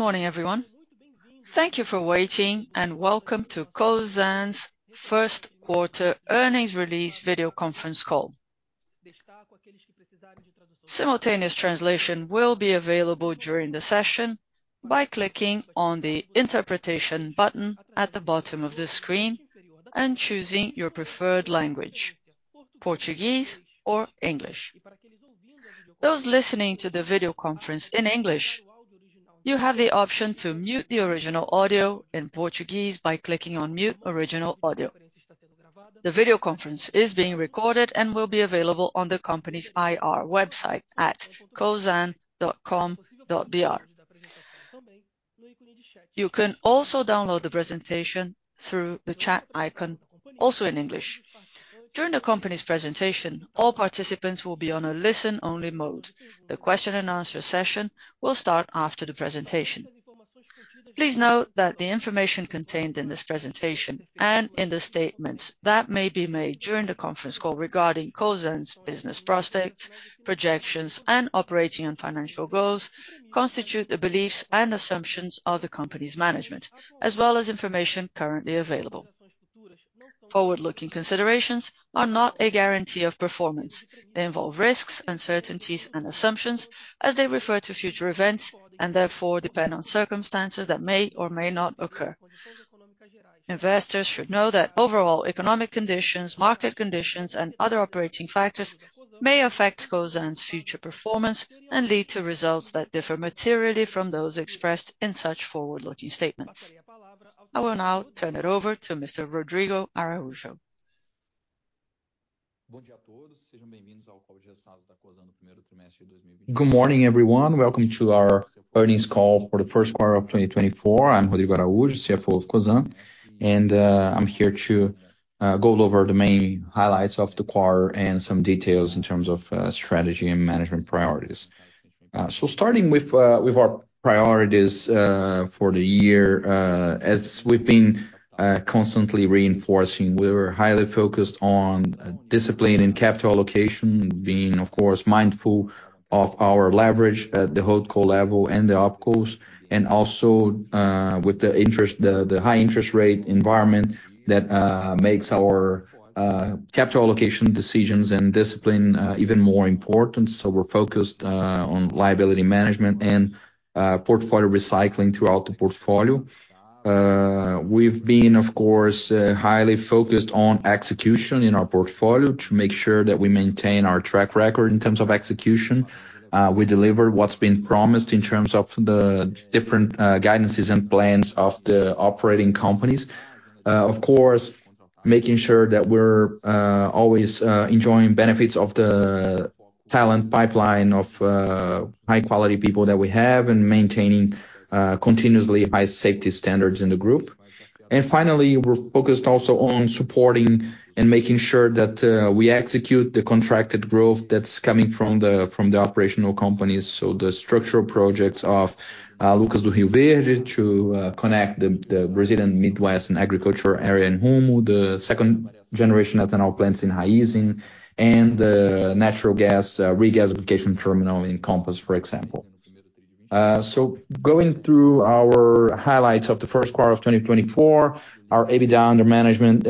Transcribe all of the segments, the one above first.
Good morning, everyone. Thank you for waiting, and welcome to Cosan's first quarter earnings release video conference call. Simultaneous translation will be available during the session by clicking on the Interpretation button at the bottom of the screen and choosing your preferred language, Portuguese or English. Those listening to the video conference in English, you have the option to mute the original audio in Portuguese by clicking on Mute Original Audio. The video conference is being recorded and will be available on the company's IR website at cosan.com.br. You can also download the presentation through the chat icon, also in English. During the company's presentation, all participants will be on a listen-only mode. The question and answer session will start after the presentation. Please note that the information contained in this presentation, and in the statements that may be made during the conference call regarding Cosan's business prospects, projections, and operating and financial goals, constitute the beliefs and assumptions of the company's management, as well as information currently available. Forward-looking considerations are not a guarantee of performance. They involve risks, uncertainties, and assumptions as they refer to future events, and therefore depend on circumstances that may or may not occur. Investors should know that overall economic conditions, market conditions, and other operating factors may affect Cosan's future performance and lead to results that differ materially from those expressed in such forward-looking statements. I will now turn it over to Mr. Rodrigo Araújo. Good morning, everyone. Welcome to our earnings call for the first quarter of 2024. I'm Rodrigo Araujo, CFO of Cosan, and I'm here to go over the main highlights of the quarter and some details in terms of strategy and management priorities. So starting with our priorities for the year, as we've been constantly reinforcing, we were highly focused on discipline and capital allocation, being, of course, mindful of our leverage at the Holdco level and the Opcos, and also with the high interest rate environment that makes our capital allocation decisions and discipline even more important. So we're focused on liability management and portfolio recycling throughout the portfolio. We've been, of course, highly focused on execution in our portfolio to make sure that we maintain our track record in terms of execution. We deliver what's been promised in terms of the different, guidances and plans of the operating companies. Of course, making sure that we're, always, enjoying benefits of the talent pipeline of, high quality people that we have and maintaining, continuously high safety standards in the group. And finally, we're focused also on supporting and making sure that, we execute the contracted growth that's coming from the operational companies, so the structural projects of, Lucas do Rio Verde to, connect the Brazilian Midwest and agricultural area in Rumo, the second generation ethanol plants in Raízen, and the natural gas, regasification terminal in Compass, for example. Going through our highlights of the first quarter of 2024, our EBITDA under management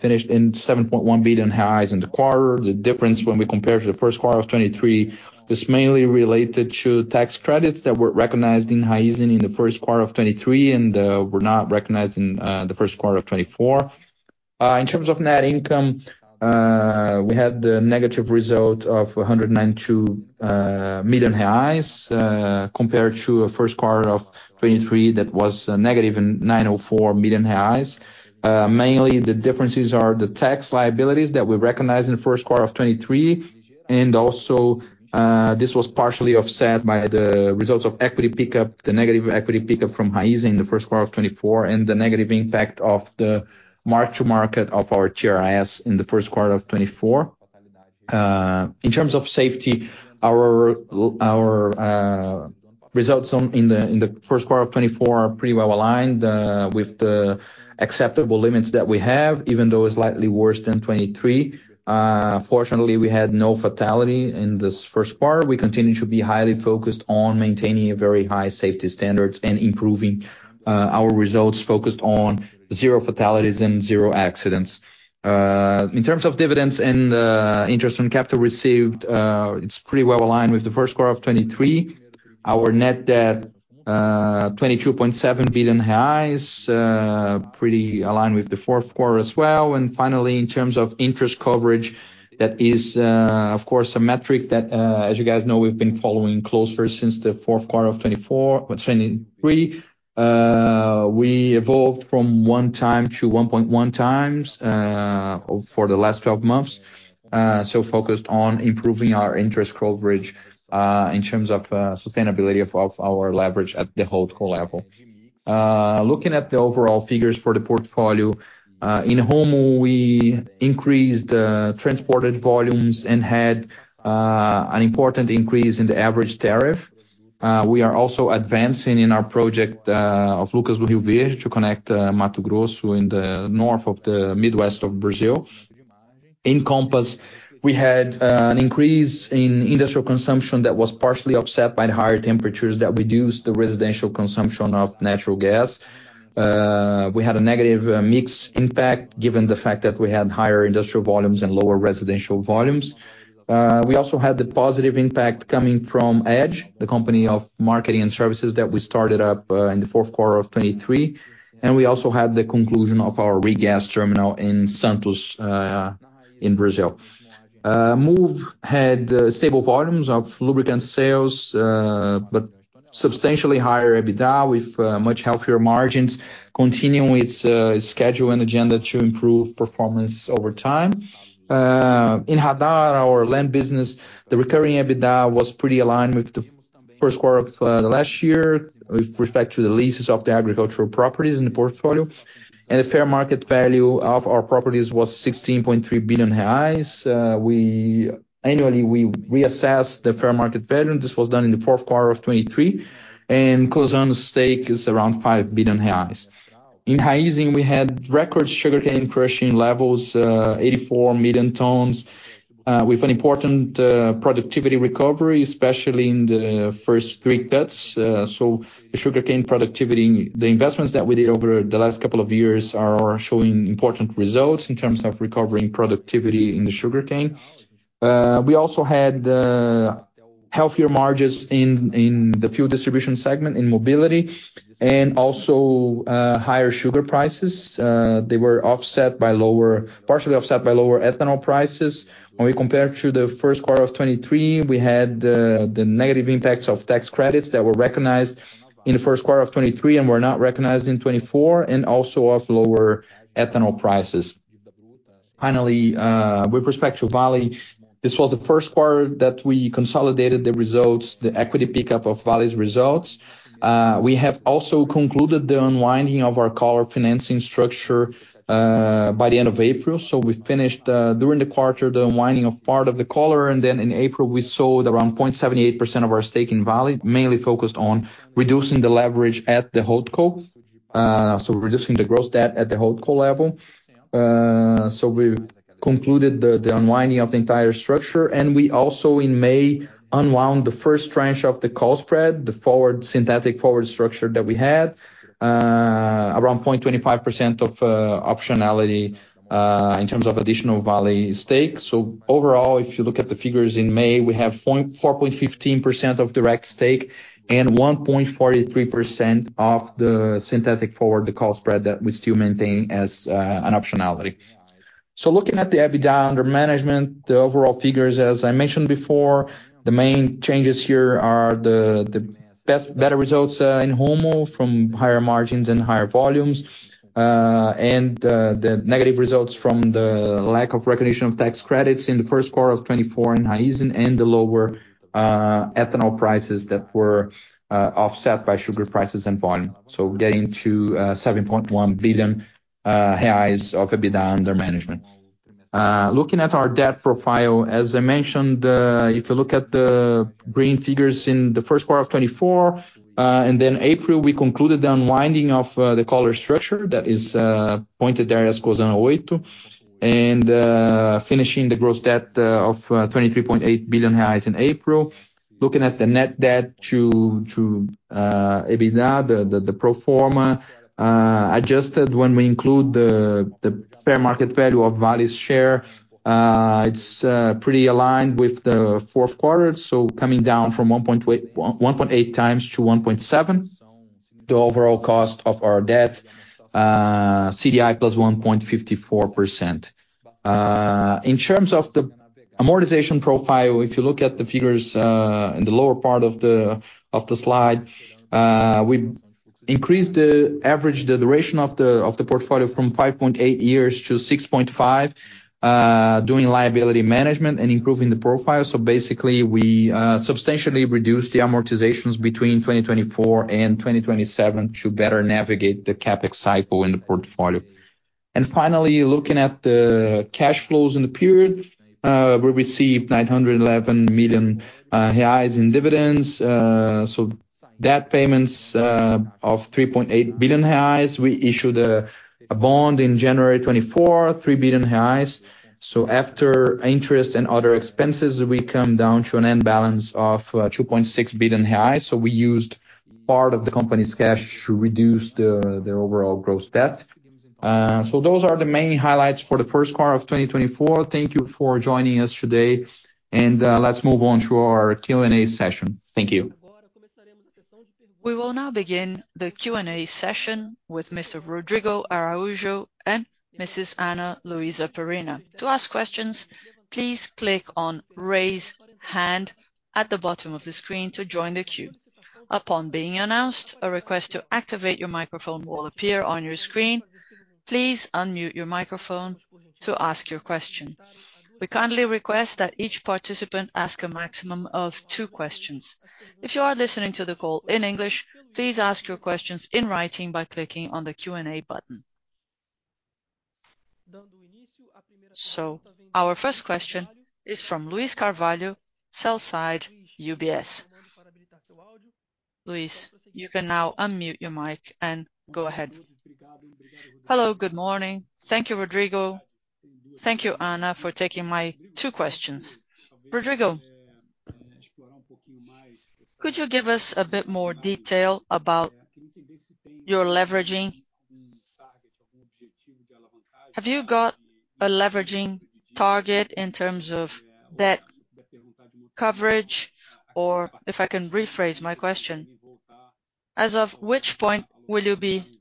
finished in 7.1 billion in the quarter. The difference when we compare to the first quarter of 2023 is mainly related to tax credits that were recognized in Raízen in the first quarter of 2023 and were not recognized in the first quarter of 2024. In terms of net income, we had the negative result of 192 million reais compared to a first quarter of 2023 that was negative in 904 million reais. Mainly the differences are the tax liabilities that we recognized in the first quarter of 2023, and also, this was partially offset by the results of equity pickup, the negative equity pickup from Raízen in the first quarter of 2024, and the negative impact of the mark-to-market of our TRS in the first quarter of 2024. In terms of safety, our results in the first quarter of 2024 are pretty well aligned with the acceptable limits that we have, even though it's slightly worse than 2023. Fortunately, we had no fatality in this first quarter. We continue to be highly focused on maintaining a very high safety standards and improving our results focused on zero fatalities and zero accidents. In terms of dividends and interest on capital received, it's pretty well aligned with the first quarter of 2023. Our net debt, 22.7 billion reais, pretty aligned with the fourth quarter as well. And finally, in terms of interest coverage, that is, of course, a metric that, as you guys know, we've been following closer since the fourth quarter of 2023. We evolved from 1x to 1.1x for the last 12 months. So focused on improving our interest coverage, in terms of sustainability of our leverage at the Holdco level. Looking at the overall figures for the portfolio, in Rumo, we increased transported volumes and had an important increase in the average tariff. We are also advancing in our project of Lucas do Rio Verde to connect Mato Grosso in the north of the Midwest of Brazil. In Compass, we had an increase in industrial consumption that was partially offset by the higher temperatures that reduced the residential consumption of natural gas. We had a negative mix impact, given the fact that we had higher industrial volumes and lower residential volumes. We also had the positive impact coming from Edge, the company of marketing and services that we started up in the fourth quarter of 2023, and we also had the conclusion of our regas terminal in Santos, in Brazil. Moove had stable volumes of lubricant sales, but substantially higher EBITDA, with much healthier margins, continuing with its schedule and agenda to improve performance over time. In Radar, our land business, the recurring EBITDA was pretty aligned with the first quarter of the last year with respect to the leases of the agricultural properties in the portfolio. And the fair market value of our properties was 16.3 billion reais. Annually, we reassess the fair market value, and this was done in the fourth quarter of 2023, and Cosan's stake is around 5 billion reais. In Raízen, we had record sugarcane crushing levels, 84 million tons, with an important productivity recovery, especially in the first three cuts. So the sugarcane productivity, the investments that we did over the last couple of years are showing important results in terms of recovering productivity in the sugarcane. We also had healthier margins in the fuel distribution segment, in mobility, and also higher sugar prices. They were partially offset by lower ethanol prices. When we compare to the first quarter of 2023, we had the negative impacts of tax credits that were recognized in the first quarter of 2023 and were not recognized in 2024, and also of lower ethanol prices. Finally, with respect to Vale, this was the first quarter that we consolidated the results, the equity pickup of Vale's results. We have also concluded the unwinding of our collar financing structure by the end of April. So we finished during the quarter the unwinding of part of the collar, and then in April, we sold around 0.78% of our stake in Vale, mainly focused on reducing the leverage at the holdco. So reducing the gross debt at the holdco level. So we concluded the unwinding of the entire structure, and we also, in May, unwound the first tranche of the call spread, the forward synthetic forward structure that we had around 0.25% of optionality in terms of additional Vale stake. So overall, if you look at the figures in May, we have 4.15% of direct stake and 1.43% of the synthetic forward, the call spread, that we still maintain as an optionality. So looking at the EBITDA under management, the overall figures, as I mentioned before, the main changes here are the better results in Rumo from higher margins and higher volumes, and the negative results from the lack of recognition of tax credits in the first quarter of 2024 in Raízen and the lower ethanol prices that were offset by sugar prices and volume. So getting to 7.1 billion reais of EBITDA under management. Looking at our debt profile, as I mentioned, if you look at the green figures in the first quarter of 2024, and then April, we concluded the unwinding of the collar structure that is pointed there as Cosan Oito, and finishing the gross debt of 23.8 billion in April. Looking at the net debt to EBITDA, the pro forma adjusted when we include the fair market value of Vale's share, it's pretty aligned with the fourth quarter, so coming down from 1.8x to 1.7x. The overall cost of our debt, CDI + 1.54%. In terms of the amortization profile, if you look at the figures in the lower part of the slide, we increased the average duration of the portfolio from 5.8 years to 6.5, doing liability management and improving the profile. So basically, we substantially reduced the amortizations between 2024 and 2027 to better navigate the CapEx cycle in the portfolio. Finally, looking at the cash flows in the period, we received 911 million reais in dividends. So debt payments of 3.8 billion reais, we issued a bond in January 2024, 3 billion reais. So after interest and other expenses, we come down to an end balance of 2.6 billion reais. So we used part of the company's cash to reduce the overall gross debt. So those are the main highlights for the first quarter of 2024. Thank you for joining us today, and let's move on to our Q&A session. Thank you. We will now begin the Q&A session with Mr. Rodrigo Araújo and Mrs. Ana Luísa Perina. To ask questions, please click on Raise Hand at the bottom of the screen to join the queue. Upon being announced, a request to activate your microphone will appear on your screen. Please unmute your microphone to ask your question. We kindly request that each participant ask a maximum of two questions. If you are listening to the call in English, please ask your questions in writing by clicking on the Q&A button. Our first question is from Luiz Carvalho, sell-side UBS.... Luiz, you can now unmute your mic and go ahead. Hello, good morning. Thank you, Rodrigo. Thank you, Ana, for taking my two questions. Rodrigo, could you give us a bit more detail about your leveraging? Have you got a leveraging target in terms of debt coverage? Or if I can rephrase my question, as of which point will you be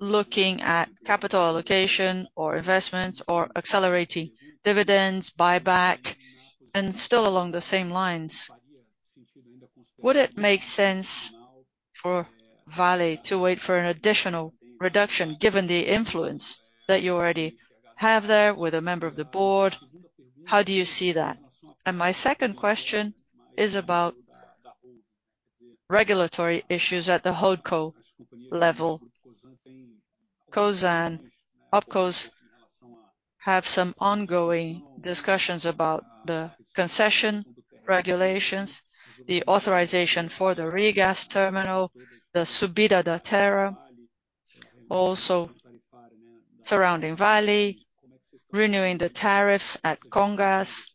looking at capital allocation, or investments, or accelerating dividends, buyback? And still along the same lines, would it make sense for Vale to wait for an additional reduction, given the influence that you already have there with a member of the board? How do you see that? And my second question is about regulatory issues at the holdco level. Cosan, of course, have some ongoing discussions about the concession regulations, the authorization for the regas terminal, the Subida da Serra, also surrounding Vale, renewing the tariffs at Comgás.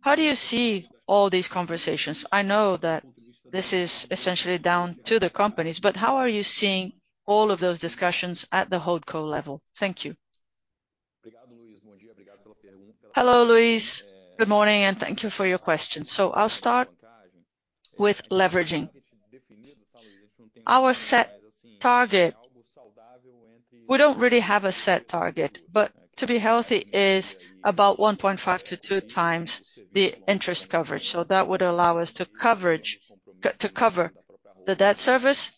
How do you see all these conversations? I know that this is essentially down to the companies, but how are you seeing all of those discussions at the holdco level? Thank you. Hello, Luiz. Good morning, and thank you for your question. So I'll start with leveraging. Our set target, we don't really have a set set target, but to be healthy is about 1.5-2 times the interest coverage. So that would allow us to coverage-- to cover the debt service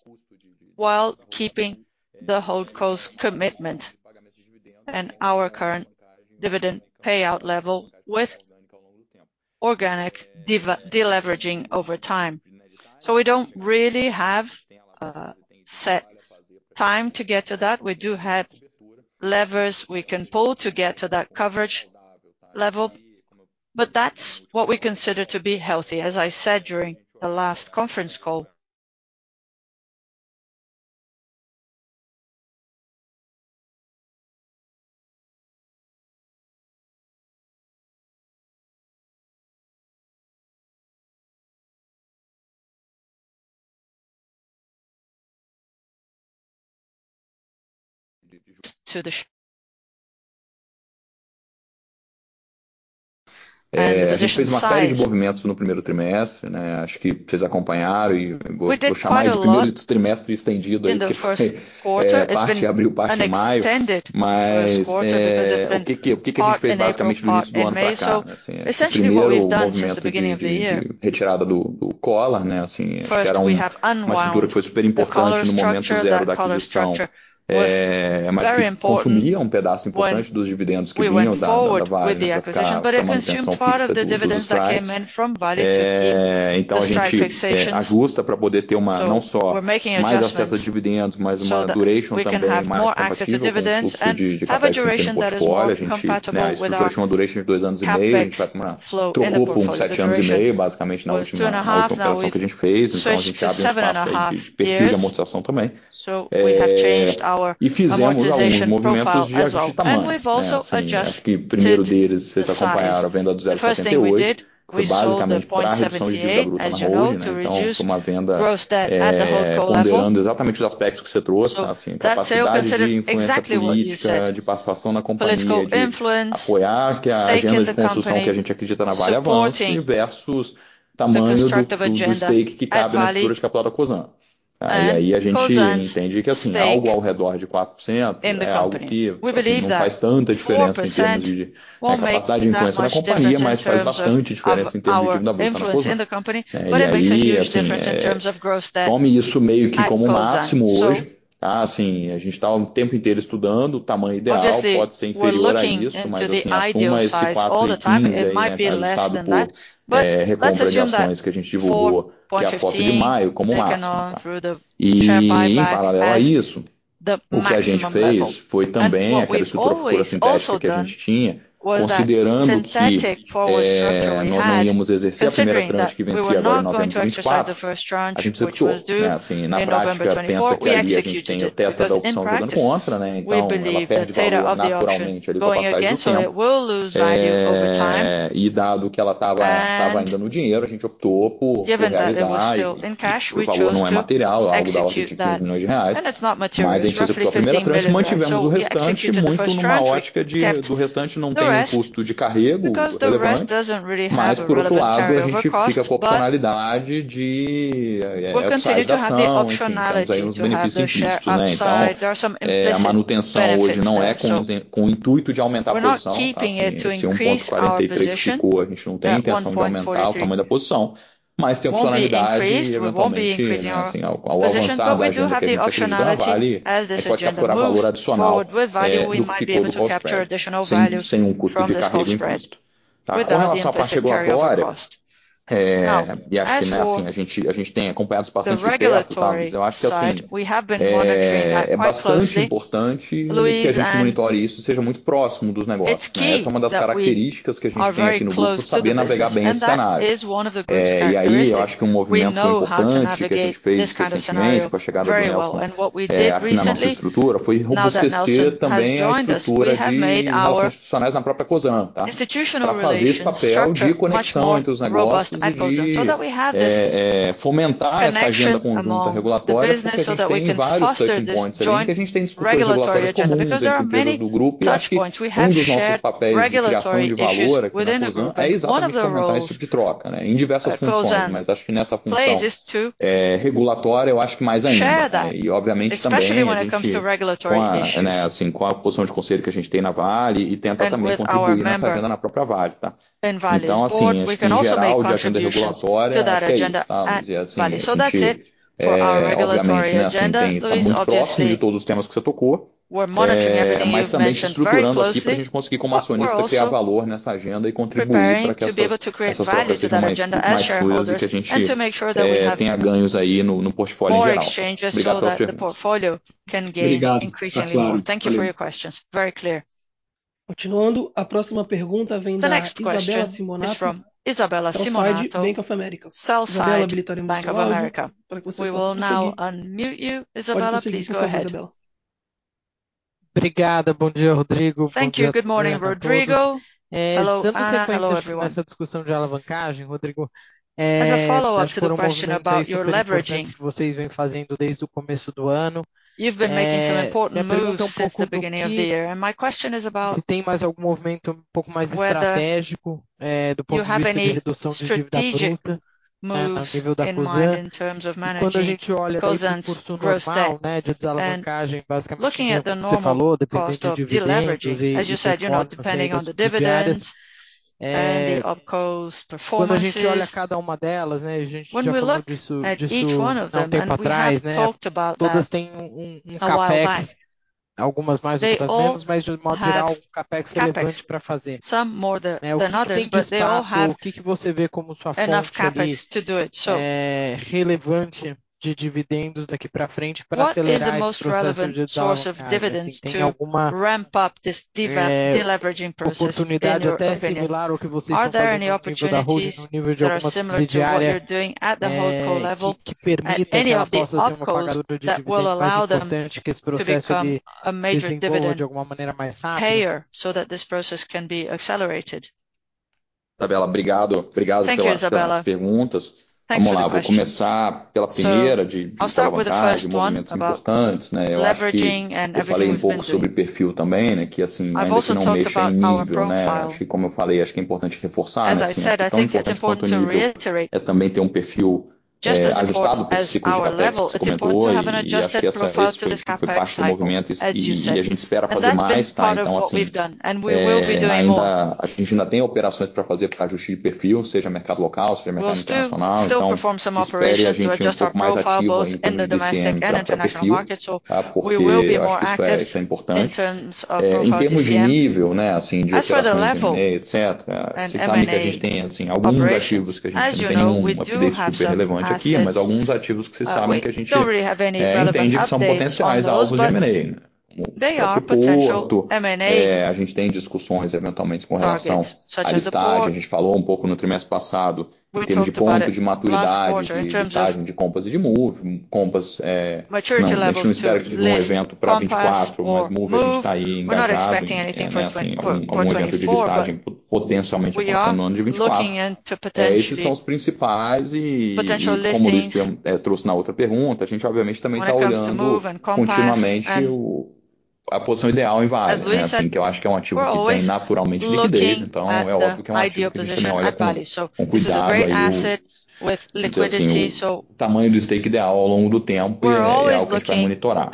while keeping the holdco's commitment and our current dividend payout level with organic divi-- deleveraging over time. So we don't really have a set time to get to that. We do have levers we can pull to get to that coverage level, but that's what we consider to be healthy, as I said during the last conference call. To the position size The position size. We did quite a lot in the first quarter. It's been an extended first quarter because it went part in April, part in May. So essentially, what we've done since the beginning of the year, first, we have unwound the collar structure. That collar structure was very important when we went forward with the acquisition, but it consumed part of the dividends that came in from Vale to keep the strike fixations. So we're making adjustments so that we can have more active dividends and have a duration that is more compatible with our CapEx flow and the portfolio duration. It was 2.5, now we switched to 7.5 years. So we have changed our amortization profile as well, and we've also adjusted the size. The first thing we did, we sold the 0.78, as you know, to reduce gross debt at the holdco level. So that's considered exactly what you said, political influence, stake in the company, supporting the constructive e fomentar essa agenda conjunta regulatória, porque a gente tem vários touchpoints ali, que a gente tem discussões regulatórias comuns entre empresas do grupo, e eu acho que um dos nossos papéis de criação de valor aqui na Cosan é exatamente fomentar esse tipo de troca, né, em diversas funções, mas acho que nessa função regulatória eu acho que mais ainda. E obviamente, também, a gente com a posição de conselho que a gente tem na Vale tenta também contribuir nessa agenda na própria Vale, tá? Então, assim, em geral, de agenda regulatória, acho que é isso, tá? Assim, a gente, é, obviamente, assim, tem, tá muito próximo de todos os temas que você tocou, é, mas também se estruturando aqui, pra gente conseguir, como acionista, criar valor nessa agenda e contribuir pra que essas, essas trocas sejam mais fluidas, e que a gente, é, tenha ganhos aí no, no portfólio em geral. Obrigado pela pergunta. Obrigado, claro. Thank you for your questions. Very clear. Continuando, a próxima pergunta vem da Isabella Simonato- The next question is from Isabella Simonato, Bank of America. Bank of America. We will now unmute you, Isabella. Please go ahead. Pode seguir, Isabella. Obrigada. Bom dia, Rodrigo. Bom dia a todos. Dando sequência nessa discussão de alavancagem, Rodrigo. As a follow up to the question about your leveraging. Acho que foi um movimento super importante que vocês vêm fazendo desde o começo do ano. You've been making some important moves since the beginning of the year, and my question is about se tem mais algum movimento um pouco mais estratégico, do ponto de vista de redução de dívida bruta, né, ao nível da Cosan. E quando a gente olha pra esse custo normal, né, de desalavancagem, basicamente, como você falou, dependente de dividendos e de performances das empresas. Quando a gente olha cada uma delas, né, a gente já falou disso, disso há um tempo atrás, né? Todas têm um CapEx, algumas mais, outras menos, mas de um modo geral, um CapEx relevante pra fazer. Some more than others, but they all have enough CapEx to do it. O que você vê como sua fonte ali relevante de dividendos daqui pra frente, pra acelerar esse processo de desalavancagem? Assim, tem alguma oportunidade até similar ao que vocês tão fazendo ao nível da hold, no nível de alguma subsidiária, que permita que ela possa ser uma pagadora de dividendo e mais importante, que esse processo de desembolso de alguma maneira mais rápida? So that this process can be accelerated. Thank you, Isabella. Thanks for your questions. So I'll start with the first one about leveraging and everything you've been doing. I've also talked about our profile. As I said, I think it's important to reiterate, just as important as our level, it's important to have an adjusted profile to the CapEx cycle, as you said, and that's been part of what we've done, and we will be doing more. We'll still perform some operations to adjust our profile, both in the domestic and international market. So we will be more active in terms of profile this year. As for the level and M&A operations. As you know, we do have some assets. We don't really have any relevant updates on those, but they are potential M&A targets, such as the port. We talked about it last quarter in terms of maturity levels with Compass or Moove. We're not expecting anything for 2024, but we are looking into potentially—potencialmente, como o Luiz trouxe na outra pergunta, a gente obviamente também tá olhando continuamente a posição ideal em Vale. Assim, eu acho que é um ativo que tem naturalmente liquidez, então é óbvio que é um ativo que a gente olha com cuidado aí. Então, o tamanho do stake ideal ao longo do tempo é algo que a gente vai monitorar.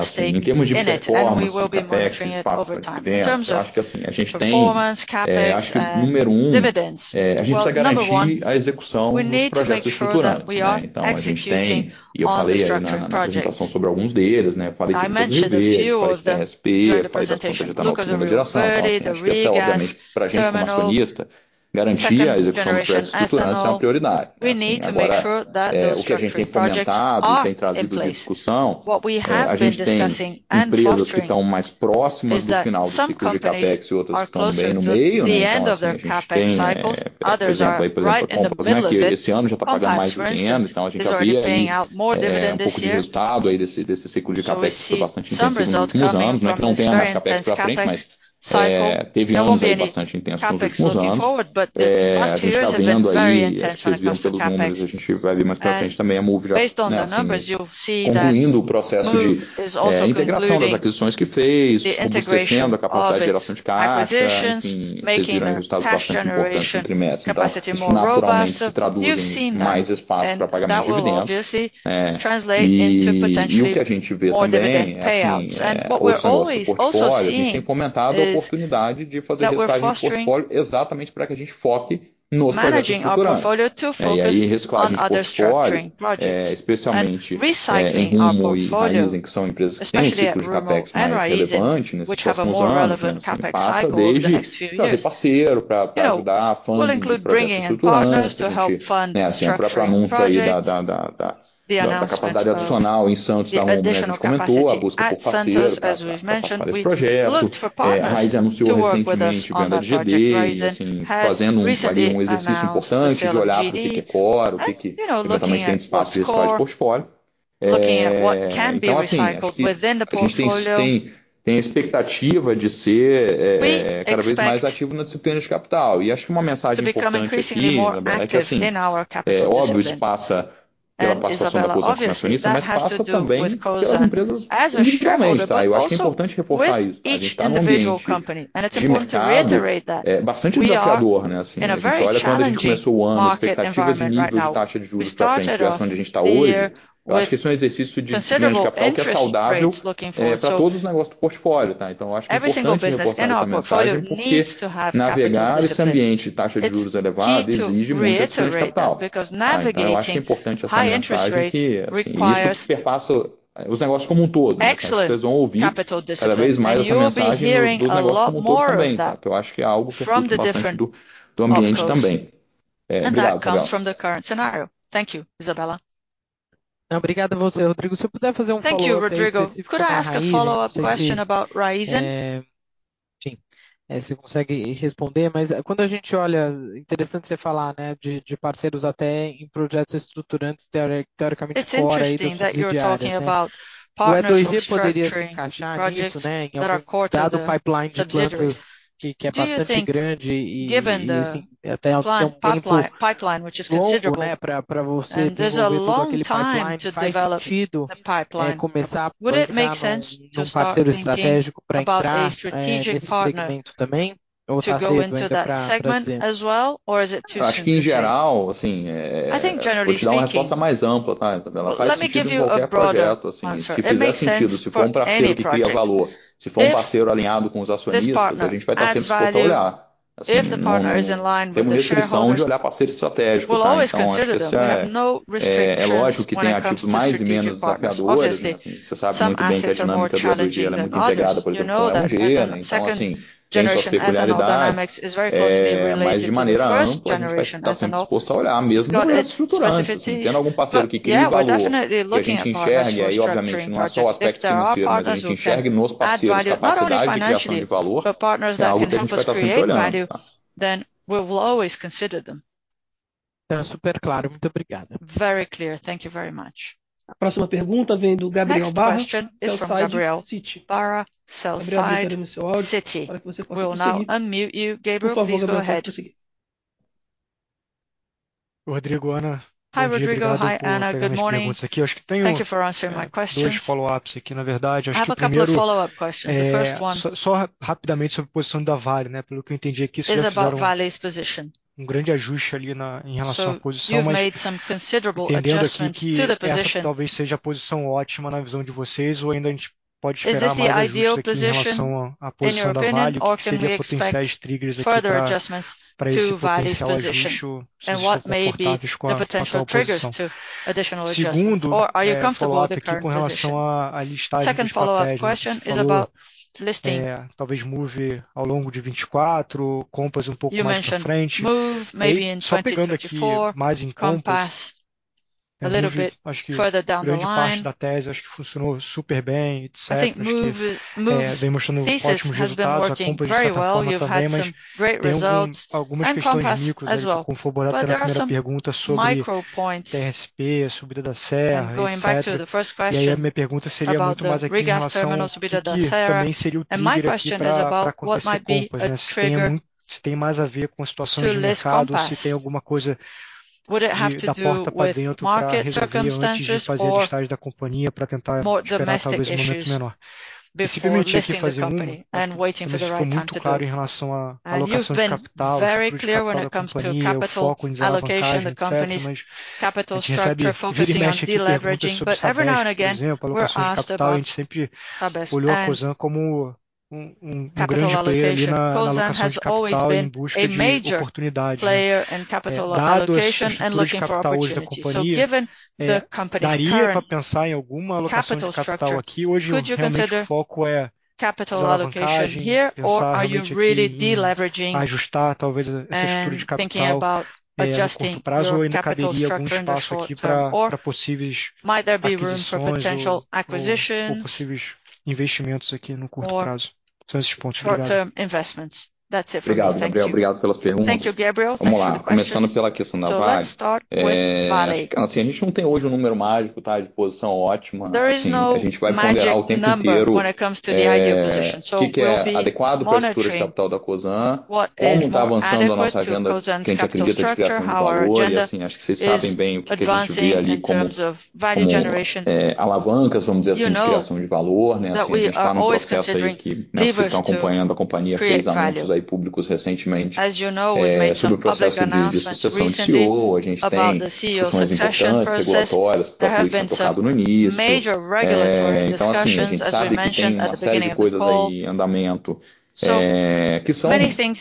Assim, em termos de performance, CapEx e espaço pra dividendo, eu acho que a gente tem, acho que número 1, a gente precisa garantir a execução dos projetos estruturantes, né? Então a gente tem, e eu falei na apresentação sobre alguns deles, né? Eu falei do verde, eu falei do SP, eu falei da estação de biogás de segunda geração. Então, assim, a gente precisa, obviamente, pra gente, como acionista, garantir a execução dos projetos estruturantes, é uma prioridade, né? Agora, é, o que a gente tem implementado e tem trazido à discussão, é, a gente tem empresas que tão mais próximas do final do ciclo de CapEx e outras que tão meio no meio, né? Então, assim, a gente tem, é, por exemplo, aí, por exemplo, a Compass, né, que esse ano já tá pagando mais dividendo, então a gente já vê aí, é, um pouco do resultado aí, desse, desse ciclo de CapEx ser bastante intenso nos últimos anos, né, que não tem mais CapEx pra frente, mas, é, teve alguns anos bastante intensos nos últimos anos. É, a gente tá vendo aí, vocês viram pelos números, a gente vai ver mais pra frente também, a Moove já, né, assim, concluindo o processo de, é, integração das aquisições que fez, robustecendo a capacidade de geração de caixa. Enfim, vocês viram aí resultados bastante importantes no trimestre. Então, isso naturalmente se traduzem em mais espaço pra pagamento de dividendos. É, e... e o que a gente vê também, assim, é, outros negócios do portfólio, a gente tem fomentado a oportunidade de fazer reciclagem de portfólio, exatamente pra que a gente foque nos projetos estruturantes. É, e aí, reciclagem de portfólio, é, especialmente, é, em Rumo e Raízen, que são empresas que têm ciclo de CapEx mais relevante nesses próximos anos, né? Que passa desde trazer parceiro pra ajudar a fundir projetos estruturantes, a gente, né, assim, a própria anúncio aí da capacidade adicional em Santos, tal como a gente comentou, a busca por parceiros pra fazer esse projeto. É, a Raízen anunciou recentemente vendendo GD e, assim, fazendo um exercício importante, de olhar o que que é core, o que que eventualmente tem espaço de reciclagem de portfólio.... Looking at what can be recycled within the portfolio. Então, assim, a gente tem a expectativa de ser cada vez mais ativo na disciplina de capital. E acho que uma mensagem importante aqui, Ana, é que assim, óbvio, isso passa pela participação da Cosan como acionista, mas passa também pelas empresas individualmente, tá? Eu acho que é importante reforçar isso. A gente tá num ambiente de mercado bastante desafiador, né, assim? A gente olha quando a gente começou o ano, as expectativas de nível de taxa de juros pra atual situação onde a gente tá hoje, eu acho que esse é um exercício de disciplina de capital, que é saudável pra todos os negócios do portfólio, tá? Então eu acho que é importante reforçar essa mensagem, porque navegar nesse ambiente de taxa de juros elevada exige muita disciplina de capital. Aí, eu acho que é importante essa mensagem, que assim, isso perpassa os negócios como um todo, né? Vocês vão ouvir cada vez mais essa mensagem dos negócios como um todo também, tá? Eu acho que é algo que reflete bastante do ambiente também. É, obrigado, galera. Obrigado a você, Rodrigo. Thank you, Rodrigo. Could I ask a follow-up question about Raízen? É, sim, é, se você consegue responder, mas quando a gente olha, interessante você falar, né, de parceiros até em projetos estruturantes, teoricamente fora aí dos diárias, né? O E2G poderia se encaixar nisso, né, em algum pipeline de projetos, que é bastante grande e até um tempo longo, né, pra você desenvolver todo aquele pipeline, faz sentido começar a pensar num parceiro estratégico pra entrar nesse segmento também? Ou tá cedo ainda pra dizer? Acho que em geral, assim, vou te dar uma resposta mais ampla, tá, Isabela? Faz sentido em qualquer projeto, assim, se fizer sentido, se for um parceiro que cria valor, se for um parceiro alinhado com os acionistas, a gente vai estar sempre disposto a olhar. Assim, não temos restrição de olhar parceiro estratégico, tá? Então, é especial. É lógico que tem ativos mais e menos desafiadores. Você sabe muito bem que a dinâmica do E2G, ela é muito integrada, por exemplo, com a Engie. Então, assim, tem suas particularidades, mas de maneira ampla, a gente vai estar sempre disposto a olhar, mesmo no estruturante. Se tiver algum parceiro que crie valor, que a gente enxergue, e aí, obviamente, não é só o aspecto financeiro, mas que a gente enxergue nos parceiros capacidade de criação de valor, é algo que a gente vai estar sempre olhando. Tá super claro, muito obrigada! Very clear. Thank you very much. A próxima pergunta vem do Gabriel Barros, da Citi. Gabriel, a gente vai permitir o seu áudio, para que você possa se inserir. Por favor, vá em frente, quando conseguir. Rodrigo, Ana. Hi, Rodrigo. Hi, Ana. Good morning! Obrigado por pegar minhas perguntas aqui. Acho que tenho- Thank you for answering my questions.... dois follow-ups aqui, na verdade, acho que o primeiro- I have a couple of follow-up questions. The first one- É, só, só rapidamente sobre a posição da Vale, né? Pelo que eu entendi aqui, vocês fizeram- Is about Vale's position. ... grande ajuste ali na, em relação à posição, mas- You've made some considerable adjustments to the position. Entendendo aqui que essa talvez seja a posição ótima, na visão de vocês, ou ainda a gente pode esperar mais ajustes aqui em relação à posição da Vale, que seria potenciais triggers aqui para esse potencial ajuste? Vocês estão confortáveis com a atual posição? Segundo, follow-up aqui com relação a listagem dos papéis. Falou, talvez Moove ao longo de 2024, Compass um pouco mais para frente. Só pegando aqui mais em Compass, acho que grande parte da tese, acho que funcionou super bem, etc. Vem mostrando ótimos resultados, a compra de plataforma também, mas tem algumas questões micro, que eu confundo com a primeira pergunta sobre TRSP, a Subida da Serra, etc. E aí, a minha pergunta seria muito mais aqui em relação ao que também seria o trigger aqui para acontecer Compass, né? Se tem, se tem mais a ver com situações de mercado ou se tem alguma coisa que, da porta pra dentro, pra resolver antes de fazer o listagem da companhia, pra tentar esperar talvez um momento menor. E se me permite aqui fazer, você ficou muito claro em relação à alocação de capital, a estrutura de capital da companhia, o foco em desalavancagem, etc, mas a gente recebe, vive, mexe aqui com perguntas sobre Sabesp, por exemplo, alocação de capital, a gente sempre olhou a Cosan como um grande player ali na, na alocação de capital, em busca de oportunidades. Dado a estrutura de capital hoje da companhia, daria pra pensar em alguma alocação de capital aqui? Hoje, realmente, o foco é desalavancagem, pensar realmente aqui em ajustar talvez essa estrutura de capital, é, a curto prazo, ou ainda caberia algum espaço aqui pra, pra possíveis aquisições ou, ou possíveis investimentos aqui no curto prazo?... short term investments. That's it for me. Thank you. Obrigado, Gabriel, obrigado pelas perguntas. Thank you, Gabriel. Thanks for the questions. Vamo lá! Começando pela questão da Vale, é assim, a gente não tem hoje um número mágico, tá? De posição ótima. Assim, a gente vai ponderar o tempo inteiro, o que que é adequado pra estrutura de capital da Cosan, como tá avançando a nossa agenda, que a gente acredita de criação de valor, e assim, acho que vocês sabem bem o que que a gente vê ali como, como, é, alavancas, vamos dizer assim, de criação de valor, né? Assim, a gente tá num processo aí que, né, vocês que estão acompanhando a companhia, três anúncios aí públicos recentemente, sobre o processo de sucessão de CEO. A gente tem questões importantes regulatórias, que até foram focadas no início. Então assim, a gente sabe que tem uma série de coisas aí em andamento, que são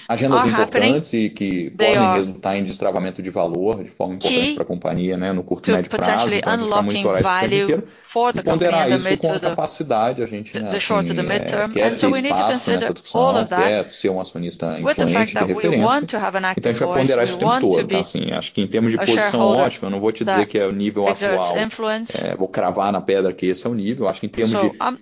agendas importantes e que podem resultar em destravamento de valor, de forma importante pra companhia, né, no curto e médio prazo. Então, a gente vai ficar muito olhar isso o tempo inteiro, e ponderar isso com a capacidade, a gente, né, acho que é, quer ter espaço nessa discussão, quer ser um acionista influente, de referência. Então, a gente vai ponderar isso o tempo todo, tá? Assim, acho que em termos de posição ótima, eu não vou te dizer que é o nível atual, vou cravar na pedra que esse é o nível. Acho que em termos de, vamos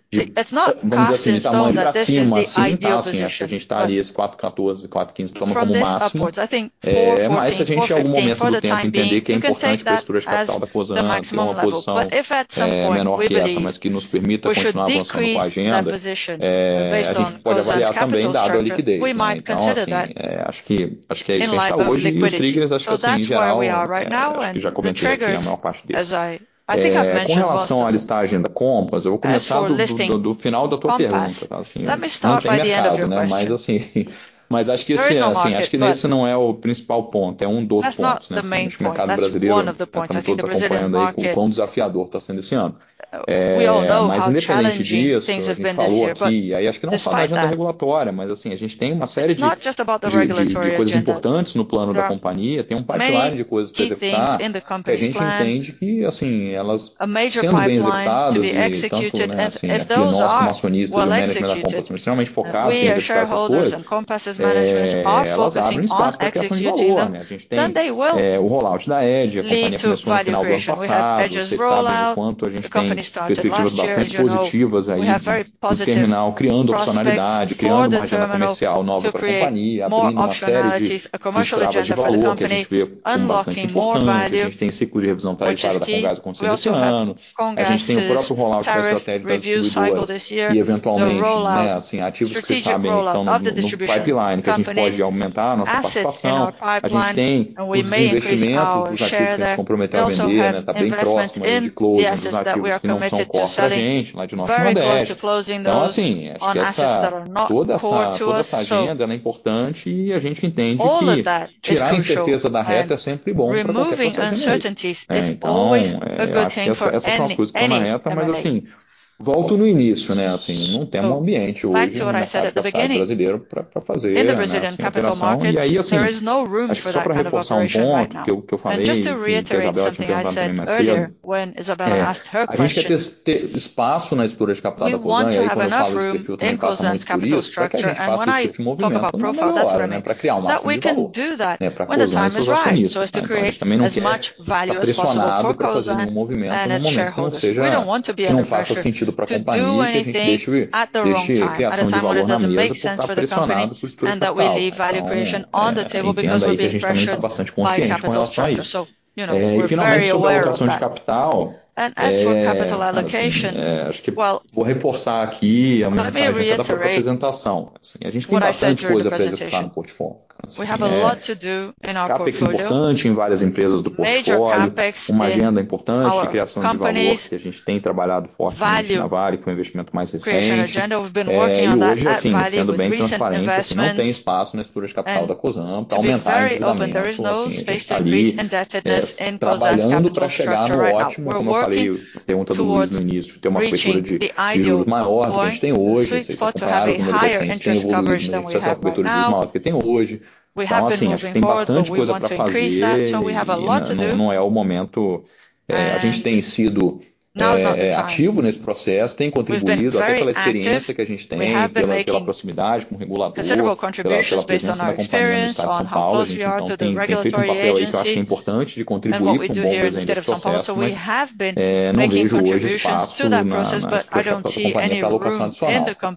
dizer assim, de margem pra cima, sim, tá? Assim, acho que a gente estaria 4.14-4.15 como o máximo. Mas se a gente, em algum momento do tempo, entender que é importante pra estrutura de capital da Cosan, tomar uma posição, menor que essa, mas que nos permita continuar avançando com a agenda, a gente pode avaliar também dado a liquidez, né? Então, assim, acho que é isso que a gente tá hoje, e os triggers, acho que assim, em geral, já comentei aqui a maior parte deles. Com relação à listagem da Compass, eu vou começar do final da tua pergunta, tá assim? Não tem mercado, né, mas acho que assim, nesse não é o principal ponto, é um dos pontos, né? Acho que o mercado brasileiro, a gente todo acompanhando aí o quão desafiador tá sendo esse ano. Mas independentemente disso, a gente falou aqui, aí acho que não só da agenda regulatória, mas assim, a gente tem uma série de coisas importantes no plano da companhia, tem um pipeline de coisas pra executar, que a gente entende que, assim, elas sendo bem executadas, e tanto, né, assim, que nós como acionistas e o management da Compass somos extremamente focados em executar essas coisas, elas abrem espaço pra criação de valor, né? A gente tem o rollout da Edge, a companhia começou no final do ano passado, vocês sabem o quanto a gente tem perspectivas bastante positivas aí, do terminal, criando opcionalidade, criando uma margem comercial nova pra companhia, abrindo uma série de destravas de valor, que a gente vê como bastante importante. A gente tem ciclo de revisão tarifária da Comgás que acontece esse ano. A gente tem o próprio rollout da estratégia da distribuidora, e eventualmente, né, assim, ativos especificamente no pipeline, que a gente pode aumentar a nossa participação. A gente tem os investimentos, os ativos que são comprometidos à venda, tá bem próximo aí de closing, os ativos que não são core pra gente, lá de nosso portfólio. Então, assim, acho que toda essa agenda, ela é importante e a gente entende que tirar incerteza da reta é sempre bom pra qualquer companhia, né? Então, é, eu acho que essas são as coisas que tão na reta, mas assim, volto no início, né? Assim, não temos um ambiente hoje no mercado de capital brasileiro, pra fazer, né, essa operação. E aí, assim, acho que só pra reforçar um ponto, que eu falei, e que a Isabella tinha perguntado bem mais cedo. É, a gente quer ter espaço na estrutura de capital da Cosan, e quando eu falo que o tempo faz muito por isso, pra que a gente faça esse tipo de movimento quando o momento é lá, né? Pra criar o máximo de valor, né, pra compensar os acionistas. Então a gente também não quer ir pressionado pra fazer nenhum movimento, num momento que não faça sentido pra companhia, e que a gente deixe criação de valor na mesa, por tá pressionado por estrutura de capital. Então, entenda aí que a gente também tá bastante consciente com relação a isso. É, e finalmente, sobre alocações de capital, acho que vou reforçar aqui, uma mensagem que tá da própria apresentação. Assim, a gente tem bastante coisa pra executar no portfólio. Assim, CapEx importante em várias empresas do portfólio, uma agenda importante de criação de valor, que a gente tem trabalhado fortemente na Vale, com investimento mais recente. É, e hoje, assim, sendo bem transparente, assim, não tem espaço na estrutura de capital da Cosan pra aumentar endividamento. A gente tá ali, trabalhando pra chegar no ótimo, como eu falei, perguntando Luiz no início, ter uma cobertura de giro maior do que a gente tem hoje. Não sei se você compararam, o número recente, a gente tem cobertura de giro maior do que tem hoje. Então, assim, acho que tem bastante coisa pra fazer, e não é o momento... A gente tem sido ativo nesse processo, tem contribuído, até pela experiência que a gente tem, pela proximidade com o regulador, pela presença da companhia no estado de São Paulo, a gente então tem feito um papel aí, que eu acho que é importante, de contribuir com um bom desfecho desse processo, né? Não vejo hoje espaço na estrutura da companhia pra alocação adicional.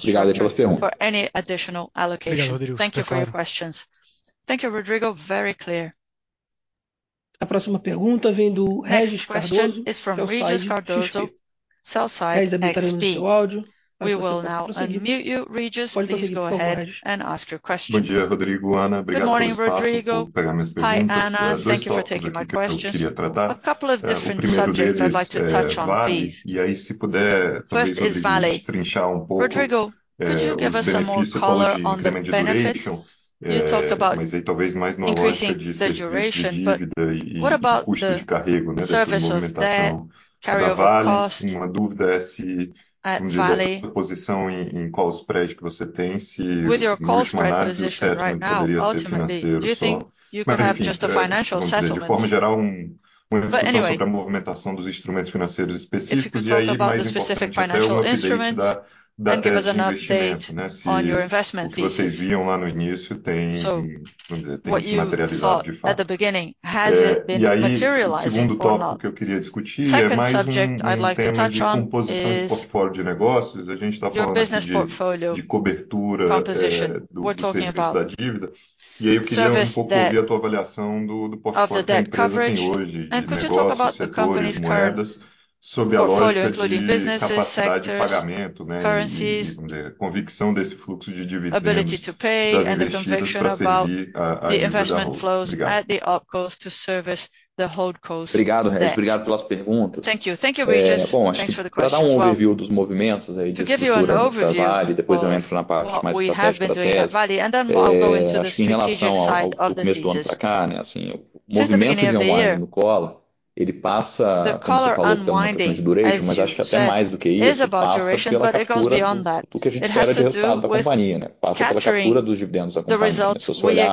Obrigado aí pela sua pergunta. Obrigado, Rodrigo. Você é claro. A próxima pergunta vem do Regis Cardoso, Sell Side XP. We will now unmute you, Regis. Please go ahead and ask your question. Bom dia, Rodrigo, Ana, obrigado pelo espaço pra eu pegar minhas perguntas. São dois tópicos aqui que eu queria tratar. O primeiro deles é Vale, e aí, se puder talvez, Rodrigo, trinchar um pouco, os benefícios em termos de incremento de duration. Mas aí talvez mais no âmbito de dívida e custo de carrego, né, dessa movimentação da Vale. Uma dúvida é se, vamos dizer, essa posição em qual spread que você tem, se na sua análise, o certo não poderia ser financeiro só? Mas enfim, de forma geral, um pouco sobre a movimentação dos instrumentos financeiros específicos, e aí, mais importante, ter o update da tese de investimento, né? Se o que vocês viam lá no início tem, vamos dizer, se materializado de fato. É, e aí, o segundo tópico que eu queria discutir é mais um tema de composição de portfólio de negócios. A gente tá falando aqui de cobertura do serviço da dívida. E aí eu queria um pouco ouvir a tua avaliação do portfólio que a empresa tem hoje, de negócios, setores, moedas, sob a lógica de capacidade de pagamento, né, e vamos dizer, a convicção desse fluxo de dividendos das investidas pra servir a dívida da holding. Obrigado. Obrigado, obrigado pelas perguntas. É bom, acho que pra dar um overview dos movimentos aí de estrutura da Vale, depois eu entro na parte mais estratégica da tese. É, em relação ao começo do ano pra cá, né, assim, o movimento de unwinding do collar, ele passa, como você falou, pela movimentação de duration, mas acho que até mais do que isso, passa pela captura do que a gente espera de resultado da companhia, né? Passa pela captura dos dividendos da companhia. Se você olhar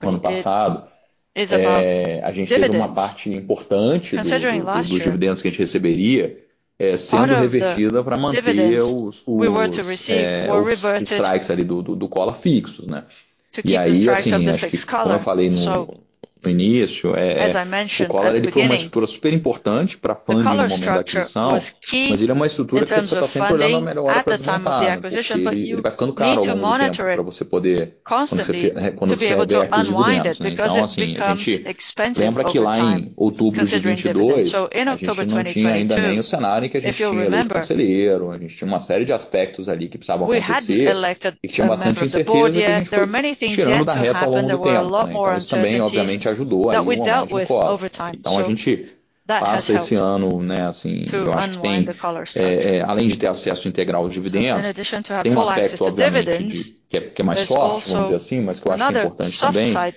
pro ano passado, é, a gente teve uma parte importante dos dividendos que a gente receberia, é, sendo revertida pra manter os strikes ali do collar fixos, né? E aí, assim, acho que como eu falei no início, o collar ele foi uma estrutura super importante pra funding no momento da aquisição, mas ele é uma estrutura que você tá sempre olhando a melhor hora pra desmontar, porque ele vai ficando caro ao longo do tempo, pra você poder, quando você abre a mão dos dividendos, né? Então, assim, a gente lembra que lá em outubro de 2022, a gente não tinha ainda nem o cenário em que a gente tinha eleito o brasileiro, a gente tinha uma série de aspectos ali que precisavam acontecer, e tinha bastante incerteza, e a gente foi tirando da reta ao longo do tempo, né? Então isso também, obviamente, ajudou aí no unwinding do collar. Então a gente passa esse ano, né, assim, eu acho que tem, é, além de ter acesso integral aos dividendos, tem um aspecto, obviamente, de, que é, que é mais soft, vamos dizer assim, mas que eu acho que é importante também, é,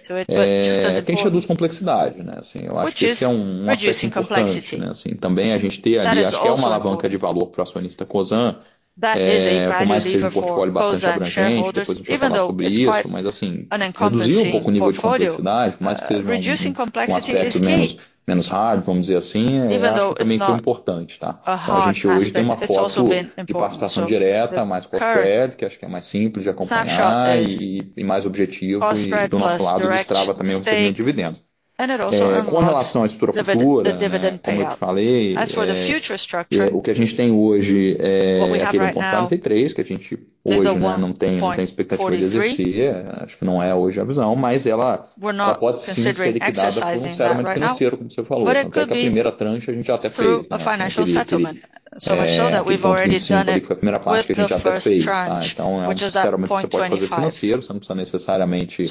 que a gente reduz complexidade, né? Assim, eu acho que esse é um aspecto importante, né, assim, também a gente ter ali, acho que é uma alavanca de valor pro acionista Cosan, é, por mais que seja um portfólio bastante abrangente, depois a gente vai falar sobre isso, mas assim, reduzir um pouco o nível de complexidade, por mais que seja um, um aspecto menos, menos hard, vamos dizer assim, eu acho que também foi importante, tá? Então a gente hoje tem uma foto de participação direta, mais cross-trade, que acho que é mais simples de acompanhar e mais objetivo, e do nosso lado, destrava também o fluxo de dividendo. É, com relação à estrutura futura, né, como eu te falei, o que a gente tem hoje é aquele 0.43, que a gente hoje, né, não tem, não tem expectativa de exercer, acho que não é hoje a visão, mas ela pode sim ser liquidada por um pagamento financeiro, como você falou. Então até a primeira tranche, a gente já até fez, né? Acho que ele foi o primeiro 0.5, ele foi a primeira parte que a gente já até fez, tá? Então é um processo que pode fazer financeiro, você não precisa necessariamente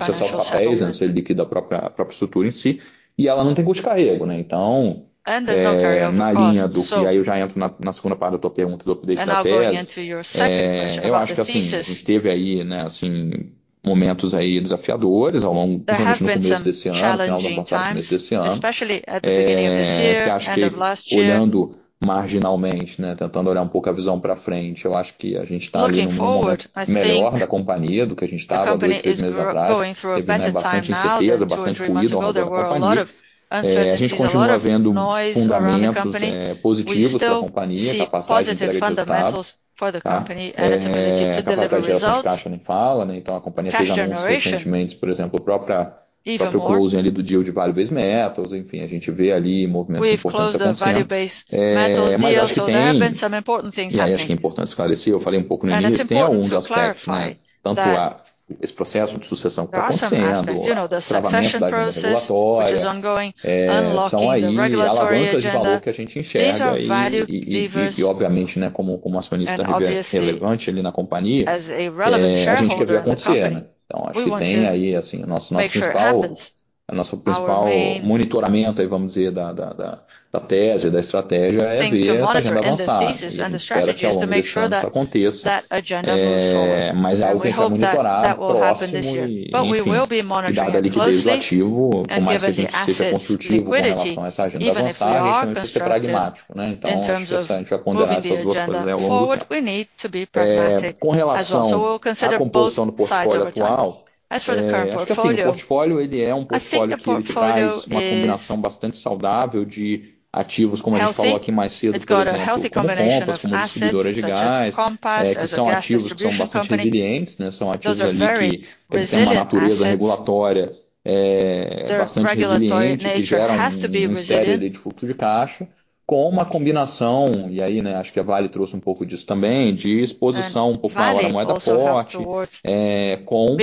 acessar os papéis, né, você liquida a própria, a própria estrutura em si, e ela não tem custo de carrego, né? Então, é, na linha do que aí eu já entro na, na segunda parte da tua pergunta, do update da tese. É, eu acho que, assim, a gente teve aí, né, assim, momentos aí desafiadores ao longo, principalmente no começo desse ano, no final do ano passado, começo desse ano. É, que eu acho que olhando marginalmente, né, tentando olhar um pouco a visão pra frente, eu acho que a gente tá ali num momento melhor da companhia, do que a gente tava dois, três meses atrás. Teve, né, bastante incerteza, bastante ruído ao redor da companhia. É, a gente continua vendo fundamentos, é, positivos pra companhia, capacidade de entrega de resultado, tá? É, a capacidade de gerar caixa, que a gente fala, né? Então a companhia teve recentemente, por exemplo, o próprio closing ali do deal de vale Base Metals, enfim, a gente vê ali movimentos importantes acontecendo. É, mas acho que tem e acho que é importante esclarecer, eu falei um pouco no início, tem alguns aspectos, né, tanto esse processo de sucessão que tá acontecendo, o destravamento da agenda regulatória, é, são aí alavancas de valor que a gente enxerga, e obviamente, né, como acionista relevante ali na companhia, é, a gente quer ver acontecer, né? Então acho que tem aí, assim, o nosso principal monitoramento aí, vamos dizer, da tese, da estratégia, é ver essa agenda avançar. E a gente espera ao longo desse ano que isso aconteça. É, mas é algo que a gente vai monitorar próximo e, enfim, dado a liquidez do ativo, por mais que a gente seja construtivo com relação a essa agenda avançar, a gente também precisa ser pragmático, né? Então, se a gente vai ponderar essas duas coisas aí ao longo. É, com relação à composição do portfólio atual, é, acho que assim, o portfólio, ele é um portfólio que ele traz uma combinação bastante saudável de ativos, como a gente falou aqui mais cedo, por exemplo, como Compass, que é uma distribuidora de gás, é, que são ativos que são bastante resilientes, né? São ativos ali que, tendo uma natureza regulatória, bastante resiliente, que geram uma série ali de fluxo de caixa, com uma combinação, e aí, né, acho que a Vale trouxe um pouco disso também, de exposição um pouco maior à moeda forte, com ativos como,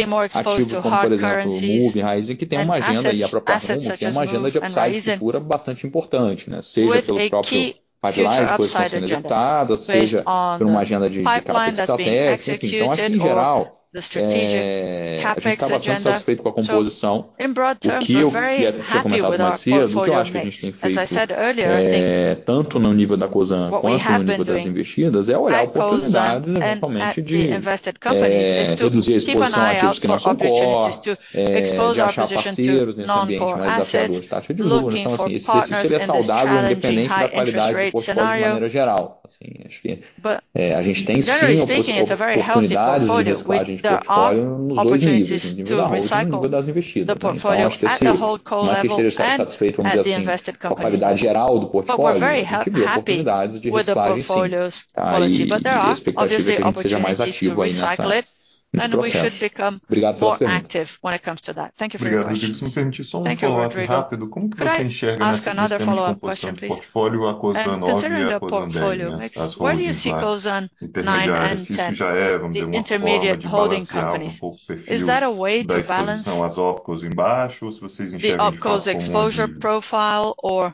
por exemplo, Moove e Raízen, que têm uma agenda aí própria pra Moove, tem uma agenda de upside e de futuro bastante importante, né? Seja pelo próprio pipeline, coisas que estão sendo executadas, seja por uma agenda de capital de CapEx. Então, acho que em geral, a gente tá bastante satisfeito com a composição. O que eu tinha comentado mais cedo, que eu acho que a gente tem feito, tanto no nível da Cosan quanto no nível das investidas, de achar parceiros nesse ambiente mais acirrado de taxa de juros. Então, assim, esse portfólio ele é saudável, independente da qualidade do portfólio de maneira geral. Assim, acho que a gente tem sim oportunidades de negociação de portfólio nos dois níveis, no nível da holding e no nível das investidas. Então, acho que assim, no que a gente está satisfeito, vamos dizer assim, com a qualidade geral do portfólio, mas que vê oportunidades de ajustar em si. Aí, a expectativa é que a gente seja mais ativo aí nessa- ...And we should become more active when it comes to that. Thank you for your questions. Obrigado, Rodrigo. Me permite só um follow-up rápido? Thank you, Rodrigo. Como que você enxerga, né, nesse recomposição de portfólio, a Cosan Nove e a Cosan Dez, as holdings intermediárias, que já é, vamos dizer, uma forma de balancear um pouco o perfil da exposição às Opcos embaixo, ou se vocês enxergam de fato como um de- The OpCos exposure profile, or?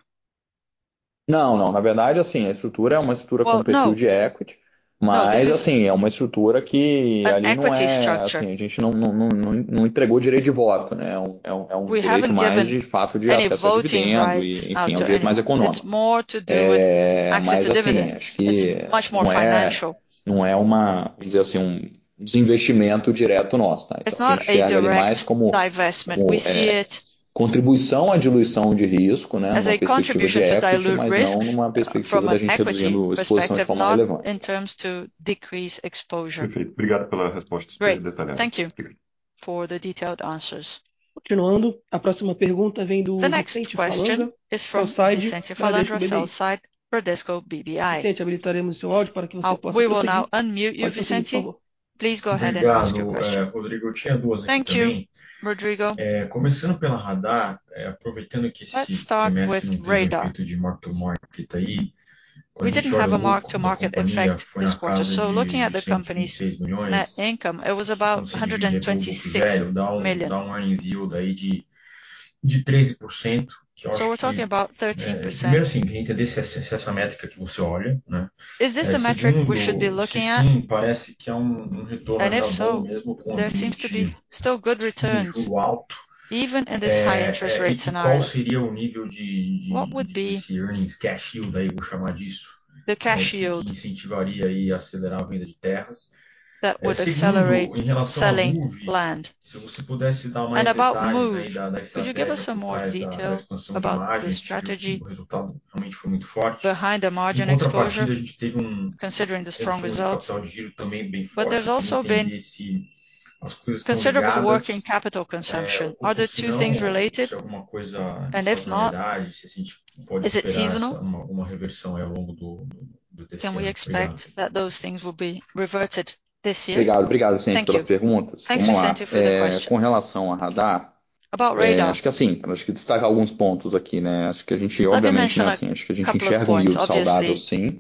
Não, não, na verdade, assim, a estrutura é uma estrutura com perfil de equity- Well, no. Mas assim, é uma estrutura que ali não é- An equity structure. Assim, a gente não entregou o direito de voto, né? É um direito mais de fato de acesso ao dividendo, e enfim, é um direito mais econômico. It's more to do with access to dividends. É mais financeiro. It's much more financial. Não é, não é uma, vamos dizer assim, um desinvestimento direto nosso, tá? It's not a direct divestment. We see it- A gente enxerga ali mais como, contribuição à diluição de risco, né, numa perspectiva de equity, mas não numa perspectiva da gente reduzindo exposição de forma relevante. In terms to decrease exposure. Perfeito. Obrigado pela resposta detalhada. Great. Thank you for the detailed answers. Continuando, a próxima pergunta vem do Vicente Falandra- The next question is from Vicente Falanga, sell-side, Bradesco BBI. Vicente, habilitaremos o seu áudio para que você possa proceder. We will now unmute you, Vicente. Please go ahead and ask your question. Obrigado. É, Rodrigo, eu tinha duas aqui também. Thank you, Rodrigo. Começando pela Radar, aproveitando que esse trimestre não teve o efeito de mark to market aí. We didn't have a mark to market effect this quarter. Looking at the company's net income, it was about 126 million. O downtime yield aí de 13%, que eu acho que- We're talking about 13%. Primeiro, assim, quer entender se essa é a métrica que você olha, né? Is this the metric we should be looking at? Se sim, parece que é um retorno razoável, mesmo com o- There seems to be still good returns- Juro alto ...Even in this high interest rate scenario. É, e qual seria o nível de desse earnings cash yield aí, vou chamar disso? The cash yield. Que incentivaria aí a acelerar a venda de terras. That would accelerate selling land. Segundo, em relação à Moove, se você pudesse dar mais detalhes aí da estratégia por trás da exposição de margem. About Moove, could you give us some more details about the strategy? O resultado realmente foi muito forte. Behind the margin exposure, considering the strong results. Por outro lado, a gente teve Considering the working capital consumption. Are the two things related? Se alguma coisa- If not, is it seasonal? Se a gente pode esperar essa uma reversão aí ao longo do terceiro trimestre. Can we expect that those things will be reverted this year? Obrigado, obrigado, Vicente, pelas perguntas. Thank you. Vamos lá. Thank you, Vicente, for the questions. É, com relação à Radar- About Radar. É, acho que assim, acho que destacar alguns pontos aqui, né? Acho que a gente, obviamente, assim, acho que a gente enxerga um yield saudável, sim.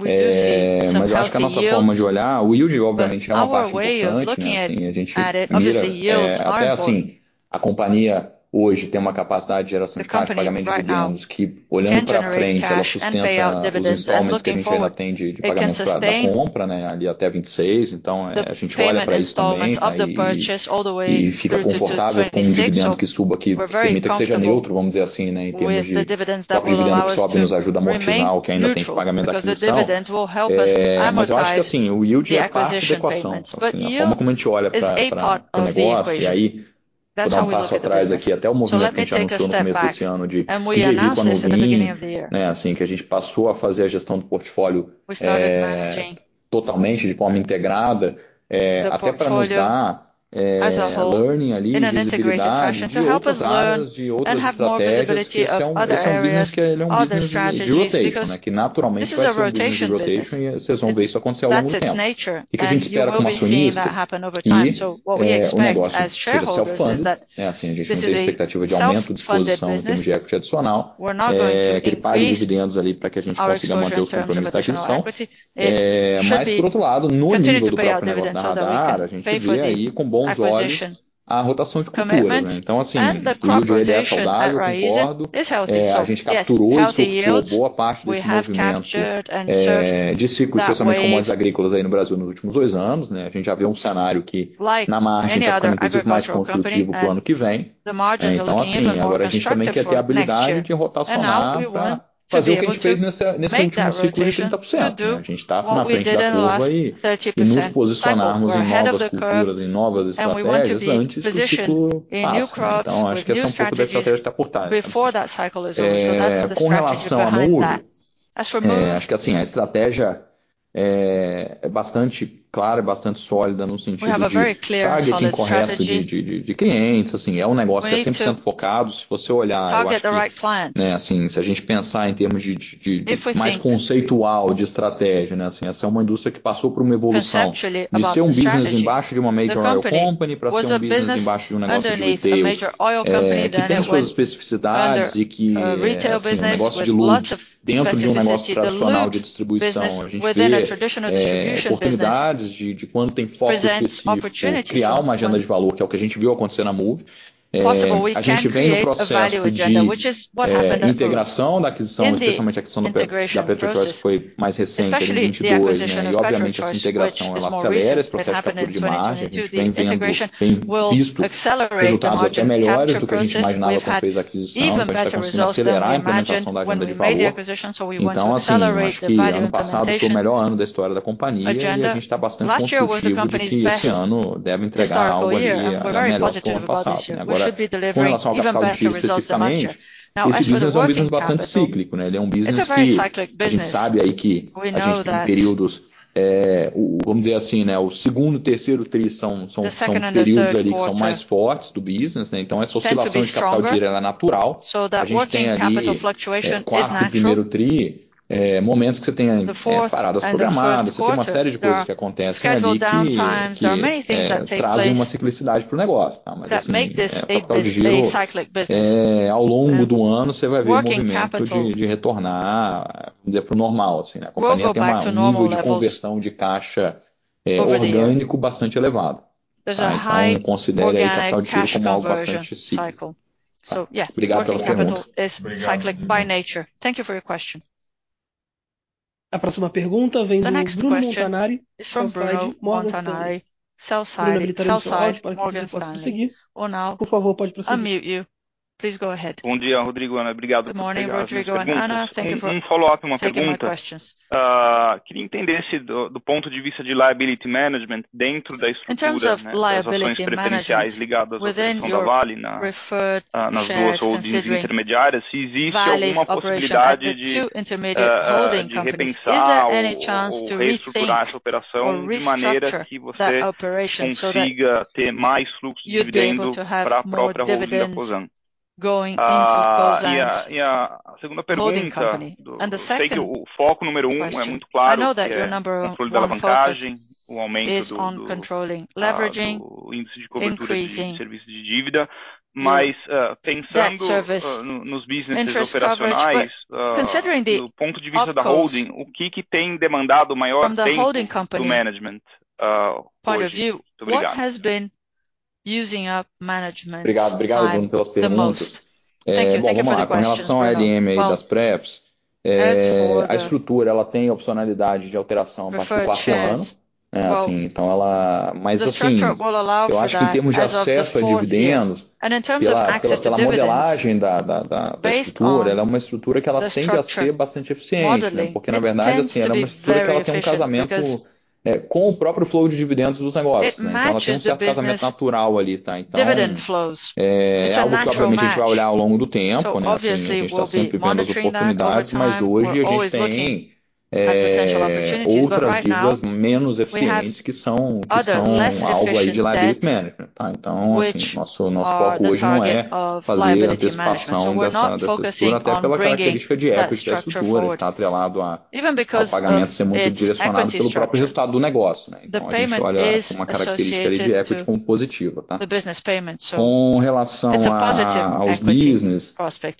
We do see some healthy yields. Mas acho que a nossa forma de olhar, o yield obviamente é uma parte importante, né? Assim, a gente mira- Obviously, yield is important. É, até assim, a companhia, hoje, tem uma capacidade de geração de caixa e pagamento de dividendos, que olhando pra frente, ela sustenta os installments que a gente ainda tem de pagamento lá da compra, né, ali até 2026. Então, é, a gente olha pra isso também, aí, e fica confortável com um dividendo que suba, que, mesmo que seja neutro, vamos dizer assim, né, em termos de— o dividendo que sobe nos ajuda a amortizar o que ainda tem de pagamento da aquisição. É... Mas eu acho que assim, o yield é parte da equação. Assim, a forma como a gente olha pra, pra, pro negócio, e aí, vou dar um passo atrás aqui, até o movimento que a gente anunciou no começo desse ano, de uncertain, né, assim, que a gente passou a fazer a gestão do portfólio, é- We started managing- Totalmente, de forma integrada, até pra nos dar learning ali, de visibilidade, de outras áreas, de outras estratégias. Esse é um business que ele é um business de rotation, né? Que naturalmente, vai ser um business de rotation, e seasonalidade isso vai acontecer ao longo do tempo. That's its nature. O que a gente espera como acionista? Que o negócio seja self-funding, assim, a gente não tem a expectativa de aumento de fundo de equity adicional, que ele pague dividendos ali, pra que a gente consiga manter os compromissos de aquisição. Mas, por outro lado, no nível do payout da Radar, a gente vê aí com bons olhos a rotação de culturas, né? Então, o yield aí é saudável, concordo. A gente capturou boa parte desse movimento de ciclo, principalmente de commodities agrícolas aí no Brasil, nos últimos 2 anos, né? A gente já vê um cenário que, na margem, tá ficando um pouco mais construtivo pro ano que vem. Então, agora a gente também quer ter a habilidade de rotacionar, pra fazer o que a gente fez nessa, nesse último ciclo, em 30%, né? A gente tá na frente da curva, e nos posicionarmos em novas culturas, em novas estratégias, antes que o ciclo passe. Então, acho que essa é um pouco da estratégia por trás. É... Com relação ao Moove, é, acho que assim, a estratégia é bastante clara e bastante sólida, no sentido de targeting correto de clientes. Assim, é um negócio que é 100% focado. Se você olhar, eu acho que- Target the right clients. Né, assim, se a gente pensar em termos de mais conceitual, de estratégia, né? Assim, essa é uma indústria que passou por uma evolução, de ser um business embaixo de uma major oil company, pra ser um business embaixo de um negócio de retail, que tem as suas especificidades, e que, assim, o negócio de lubes, dentro de um negócio tradicional de distribuição, a gente vê oportunidades de quando tem foco específico em criar uma agenda de valor, que é o que a gente viu acontecer na Moove. A gente vem em um processo de integração da aquisição, especialmente a aquisição da Petro, que foi mais recente, ali em 2022, né? E, obviamente, essa integração ela acelera esse processo de captura de margem. A gente vem vendo resultados até melhores do que a gente imaginava quando fez a aquisição, então a gente tá conseguindo acelerar a implementação da agenda de valor. Então, assim, acho que o ano passado foi o melhor ano da história da companhia, e a gente tá bastante positivo de que esse ano deve entregar algo ali, ainda melhor do que o ano passado. Agora, com relação ao capital de giro, especificamente, esse business é um business bastante cíclico, né? Ele é um business que a gente sabe aí que a gente tem períodos, vamos dizer assim, né, o segundo e terceiro tris são períodos ali que são mais fortes do business, né? Então essa oscilação de capital de giro, ela é natural. A gente tem ali, quarto e primeiro tri, momentos que você tem aí, paradas programadas, você tem uma série de coisas que acontecem ali, que trazem uma ciclicidade pro negócio. Tá, mas assim, capital de giro, ao longo do ano, você vai ver movimento de retornar, digamos, pro normal. Assim, a companhia tem um nível de conversão de caixa orgânico bastante elevado, tá? Então considere aí o capital de giro como algo bastante cíclico. Obrigado pelas perguntas. Obrigado! A próxima pergunta vem do Bruno Montanari, Sell-side, Morgan Stanley. Bruno, habilitaremos o seu áudio para que você possa prosseguir. Por favor, pode prosseguir. Bom dia, Rodrigo, Ana, obrigado por pegar as minhas perguntas. Thank you for taking my questions. Ah, queria entender se do ponto de vista de liability management, dentro da estrutura, né, das ações preferenciais ligadas à operação da Vale, nas duas holdings intermediárias, se existe alguma possibilidade de repensar ou reestruturar essa operação, de maneira que você consiga ter mais fluxo de dividendos pra própria holding da Cosan. Ah, e a segunda pergunta: eu sei que o foco número 1 é muito claro, que é o controle da alavancagem, o aumento do índice de cobertura de serviço de dívida, mas, pensando nos businesses operacionais, do ponto de vista da holding, o que que tem demandado maior atenção do management hoje? Muito obrigado. Obrigado, obrigado, Bruno, pelas perguntas. É, bom, olha, com relação à LM aí das prefs, a estrutura, ela tem a opcionalidade de alteração a partir do próximo ano, né, assim, então ela, mas assim, eu acho que em termos de acesso a dividendos, pela, pela modelagem da, da, da estrutura, ela é uma estrutura que ela tende a ser bastante eficiente, né? Porque, na verdade, assim, ela é uma estrutura que ela tem um casamento, é, com o próprio flow de dividendos dos negócios, né? Então ela tem um certo casamento natural ali, tá? Então, é, obviamente, a gente vai olhar ao longo do tempo, né, assim, a gente tá sempre olhando as oportunidades, mas hoje a gente tem, outras dívidas menos eficientes, que são, que são algo aí de liability management, tá? Então, assim, nosso foco hoje não é fazer antecipação dessa estrutura, até pela característica de equity da estrutura, que tá atrelado ao pagamento ser muito direcionado pelo próprio resultado do negócio, né. Então a gente olha uma característica ali de equity como positiva, tá? Com relação aos business,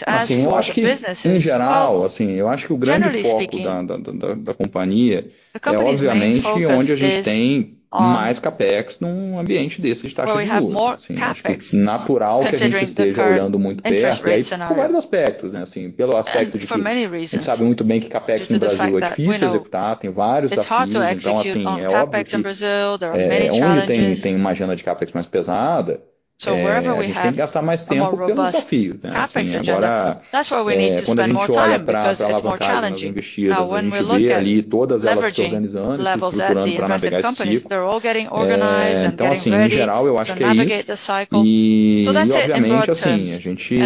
assim, eu acho que, em geral, assim, eu acho que o grande foco da companhia é obviamente onde a gente tem mais CapEx num ambiente desse de taxa de juros. Assim, acho que é natural que a gente esteja olhando muito perto, e aí por vários aspectos, né? Assim, pelo aspecto de que a gente sabe muito bem que CapEx no Brasil é difícil de executar, tem vários desafios. Então, assim, é óbvio que onde tem uma agenda de CapEx mais pesada, a gente tem que gastar mais tempo pelo desafio, né? Assim, agora, quando a gente olha pra alavancagem das investidas, a gente vê ali todas elas se organizando e se estruturando pra navegar o ciclo. Então, assim, em geral, eu acho que é isso. Obviamente, assim, a gente,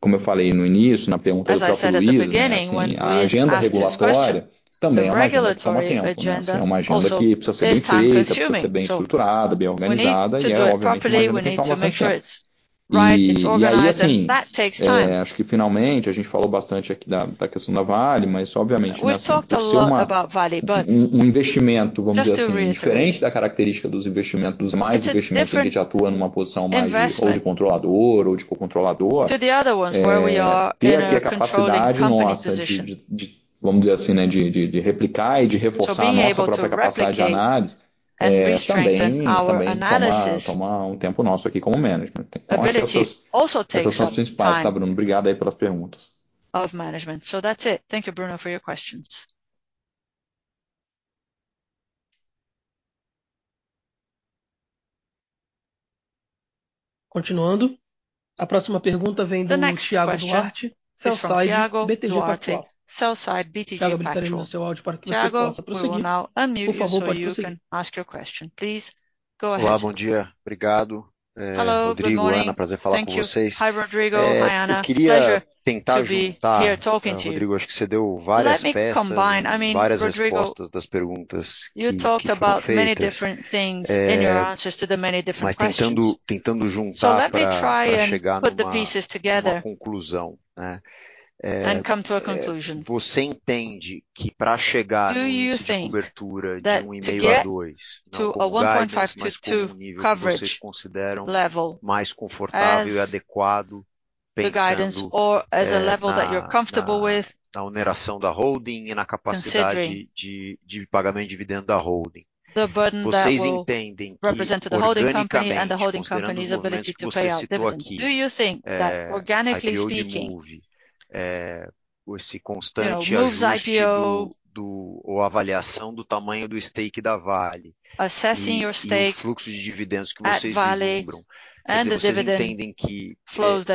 como eu falei no início, na pergunta do próprio Bruno, né, assim, a agenda regulatória também é uma agenda que toma tempo, né? É uma agenda que precisa ser bem feita, precisa ser bem estruturada, bem organizada, e é obviamente uma agenda que toma bastante tempo. E aí, assim, acho que finalmente a gente falou bastante aqui da questão da Vale, mas obviamente, né, pra ser um investimento, vamos dizer assim, diferente da característica dos investimentos mais que a gente atua numa posição de controlador ou de co-controlador, ter aqui a capacidade nossa de replicar e de reforçar a nossa própria capacidade de análise, também toma tempo nosso aqui como management. Então, essas são as principais, tá, Bruno? Obrigado aí pelas perguntas. Continuando, a próxima pergunta vem do Thiago Duarte, BTG Pactual. Thiago, habilitaremos o seu áudio para que você possa prosseguir. Por favor, pode prosseguir. Olá, bom dia, obrigado. Rodrigo, Ana, prazer falar com vocês. Eu queria tentar juntar... Rodrigo, acho que você deu várias peças, várias respostas das perguntas que foram feitas Mas tentando juntar pra chegar numa conclusão, né? Come to a conclusion. Você entende que pra chegar no índice de cobertura de 1.5-2, na sua guidance, mas como um nível que vocês consideram mais confortável e adequado, pensando na oneração da holding e na capacidade de pagamento de dividendo da holding. Vocês entendem que organicamente, considerando os movimentos que você citou aqui, a IPO de Moove, esse constante ajuste da avaliação do tamanho do stake da Vale e o fluxo de dividendos que vocês vislumbram. Quer dizer, vocês entendem que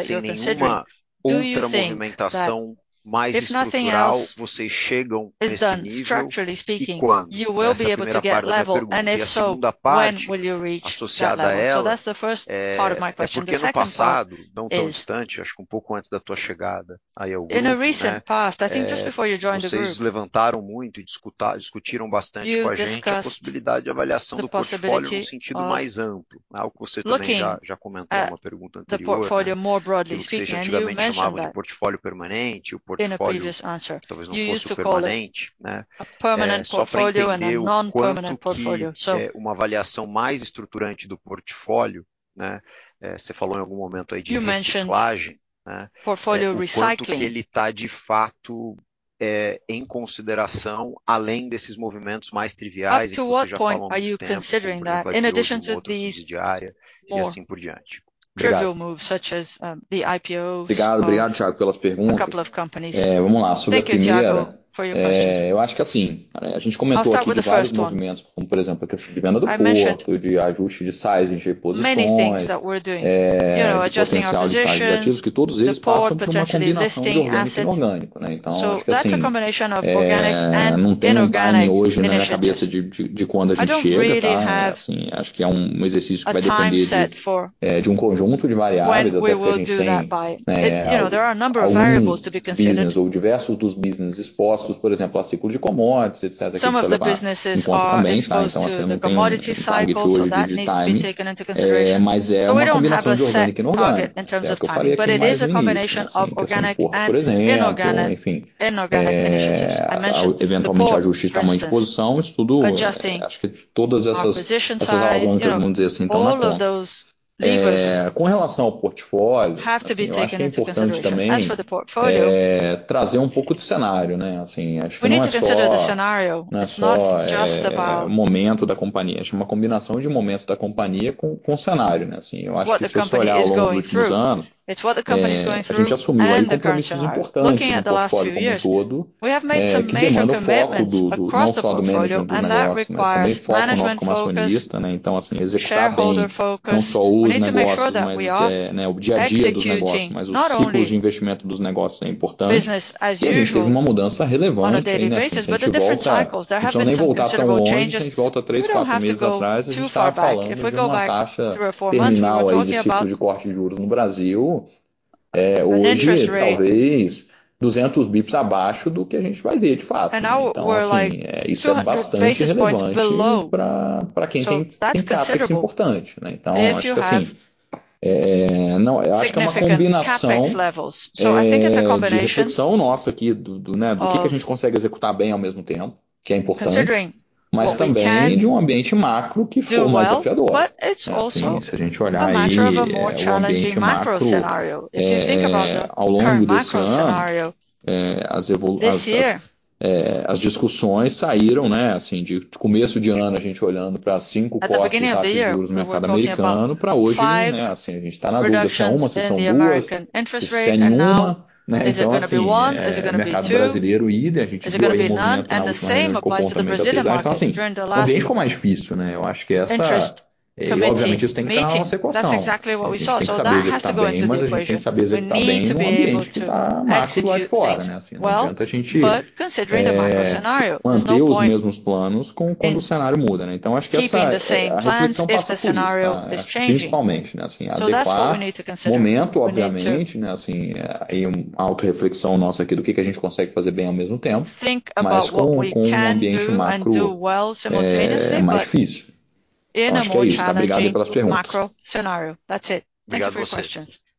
sem nenhuma outra movimentação mais estrutural, vocês chegam nesse nível, e quando? Essa é a primeira parte da pergunta. E a segunda parte associada a ela é porque no passado, não tão distante, acho que um pouco antes da tua chegada aí ao grupo, né, vocês levantaram muito e discutiram bastante com a gente a possibilidade de avaliação do portfólio no sentido mais amplo, né? O que você também já comentou numa pergunta anterior, né? O que vocês geralmente chamavam de portfólio permanente, o portfólio talvez não fosse o permanente, né? É, só pra entender o quanto que uma avaliação mais estruturante do portfólio, né, você falou em algum momento aí de reciclagem, né? O quanto que ele tá, de fato, em consideração, além desses movimentos mais triviais, em que você já falou há algum tempo, com IPO de uma outra subsidiária e assim por diante. Obrigado. Obrigado, obrigado, Thiago, pelas perguntas. Vamo lá, sobre a primeira, eu acho que assim, a gente comentou aqui de vários movimentos, como por exemplo, a questão de venda do porto, de ajuste de sizing de posições, do potencial de ativos, que todos esses passam por uma combinação de orgânico e inorgânico, né? Então, acho que assim, não tenho um timing hoje na minha cabeça, de quando a gente chega, tá? Assim, acho que é um exercício que vai depender de um conjunto de variáveis, até porque a gente tem algum business ou diversos dos businesses expostos, por exemplo, a ciclo de commodities, etc., que tem que levar em conta também, tá? Então, assim, não tem um ciclo de time. Mas é uma combinação de orgânico e inorgânico. É, eu falei aqui mais no início, assim, a questão do porto, por exemplo, ou enfim, é, eventualmente, ajustar o tamanho de exposição, isso tudo, acho que todas essas alavancas eu não diria assim, então, ah, tá. É, com relação ao portfólio, assim, eu acho que é importante também, é, trazer um pouco de cenário, né? Assim, acho que não é só, né, só, é, momento da companhia, acho que uma combinação de momento da companhia com o cenário, né? Assim, eu acho que se a gente olhar ao longo dos últimos anos, é, a gente assumiu aí compromissos importantes no portfólio como um todo, é, que demandam o foco do, do, não só do management do negócio, mas também o foco nosso como acionista, né? Então, assim, executar bem não só os negócios, mas é, né, o dia a dia dos negócios, mas os ciclos de investimento dos negócios é importante. E a gente teve uma mudança relevante aí, né? Se a gente voltar, se a gente nem voltar tão longe, se a gente volta 3, 4 meses atrás, a gente tava falando de uma taxa terminal aí, desse ciclo de corte de juros no Brasil, é, hoje, talvez 200 basis points abaixo do que a gente vai ver, de fato. Então, assim, é, isso é bastante relevante pra, pra quem tem, tem CapEx importante, né? Então, acho que assim, é... não, eu acho que é uma combinação, é, de reflexão nossa aqui, do, do né, do que que a gente consegue executar bem ao mesmo tempo, que é importante, mas também de um ambiente macro que ficou mais desafiador. Assim, se a gente olhar o ambiente macro ao longo desse ano, as discussões saíram, né, de começo de ano, a gente olhando para 5 cortes de taxa de juros no mercado americano, para hoje, né, a gente tá na dúvida se são 1, se são 2, se seria nenhuma, né? Então, o mercado brasileiro e a gente viu aí um movimento na última Copom, então, o ambiente ficou mais difícil, né? Eu acho que essa obviamente, isso tem que estar na nossa equação. A gente tem que saber executar bem, mas a gente tem que saber executar bem num ambiente que tá mais pro lado de fora, né? Assim, não adianta a gente manter os mesmos planos quando o cenário muda, né? Então acho que essa reflexão passa por isso, tá? Principalmente, né, assim, adequar o momento, obviamente, né, assim, é, aí uma autorreflexão nossa aqui, do que que a gente consegue fazer bem ao mesmo tempo, mas com, com um ambiente macro, é, mais difícil. Eu acho que é isso. Obrigado aí pelas perguntas.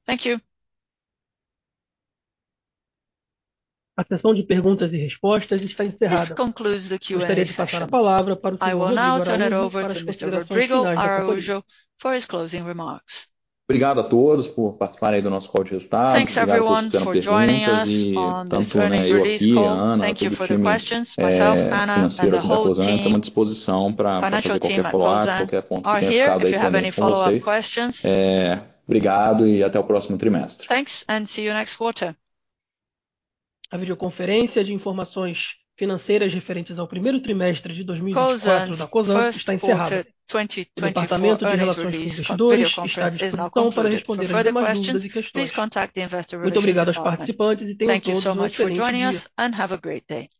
Thank you! A sessão de perguntas e respostas está encerrada. This concludes the Q&A session. Gostaria de passar a palavra para o senhor Rodrigo Araújo, para as considerações finais da companhia. I will now turn it over to Mr. Rodrigo Araújo for his closing remarks. Obrigado a todos por participarem aí do nosso call de resultados. Thanks everyone for joining us on this earnings release call. Thank you for the questions. E tanto eu aqui, a Ana, todo o time, é, financeiro da Cosan, estamos à disposição pra, pra fazer follow up, qualquer ponto que tenha ficado aí pendente com vocês. É, obrigado e até o próximo trimestre. Thanks and see you next quarter. A videoconferência de informações financeiras referentes ao primeiro trimestre de 2024 da Cosan está encerrada. Cosan's first quarter 2024 earnings release videoconference is now concluded. O departamento de relações com investidores está à disposição para responder eventuais dúvidas e questões. For further questions, please contact the Investor Relations Department. Muito obrigado aos participantes e tenham todos um excelente dia. Thank you for joining us, and have a great day!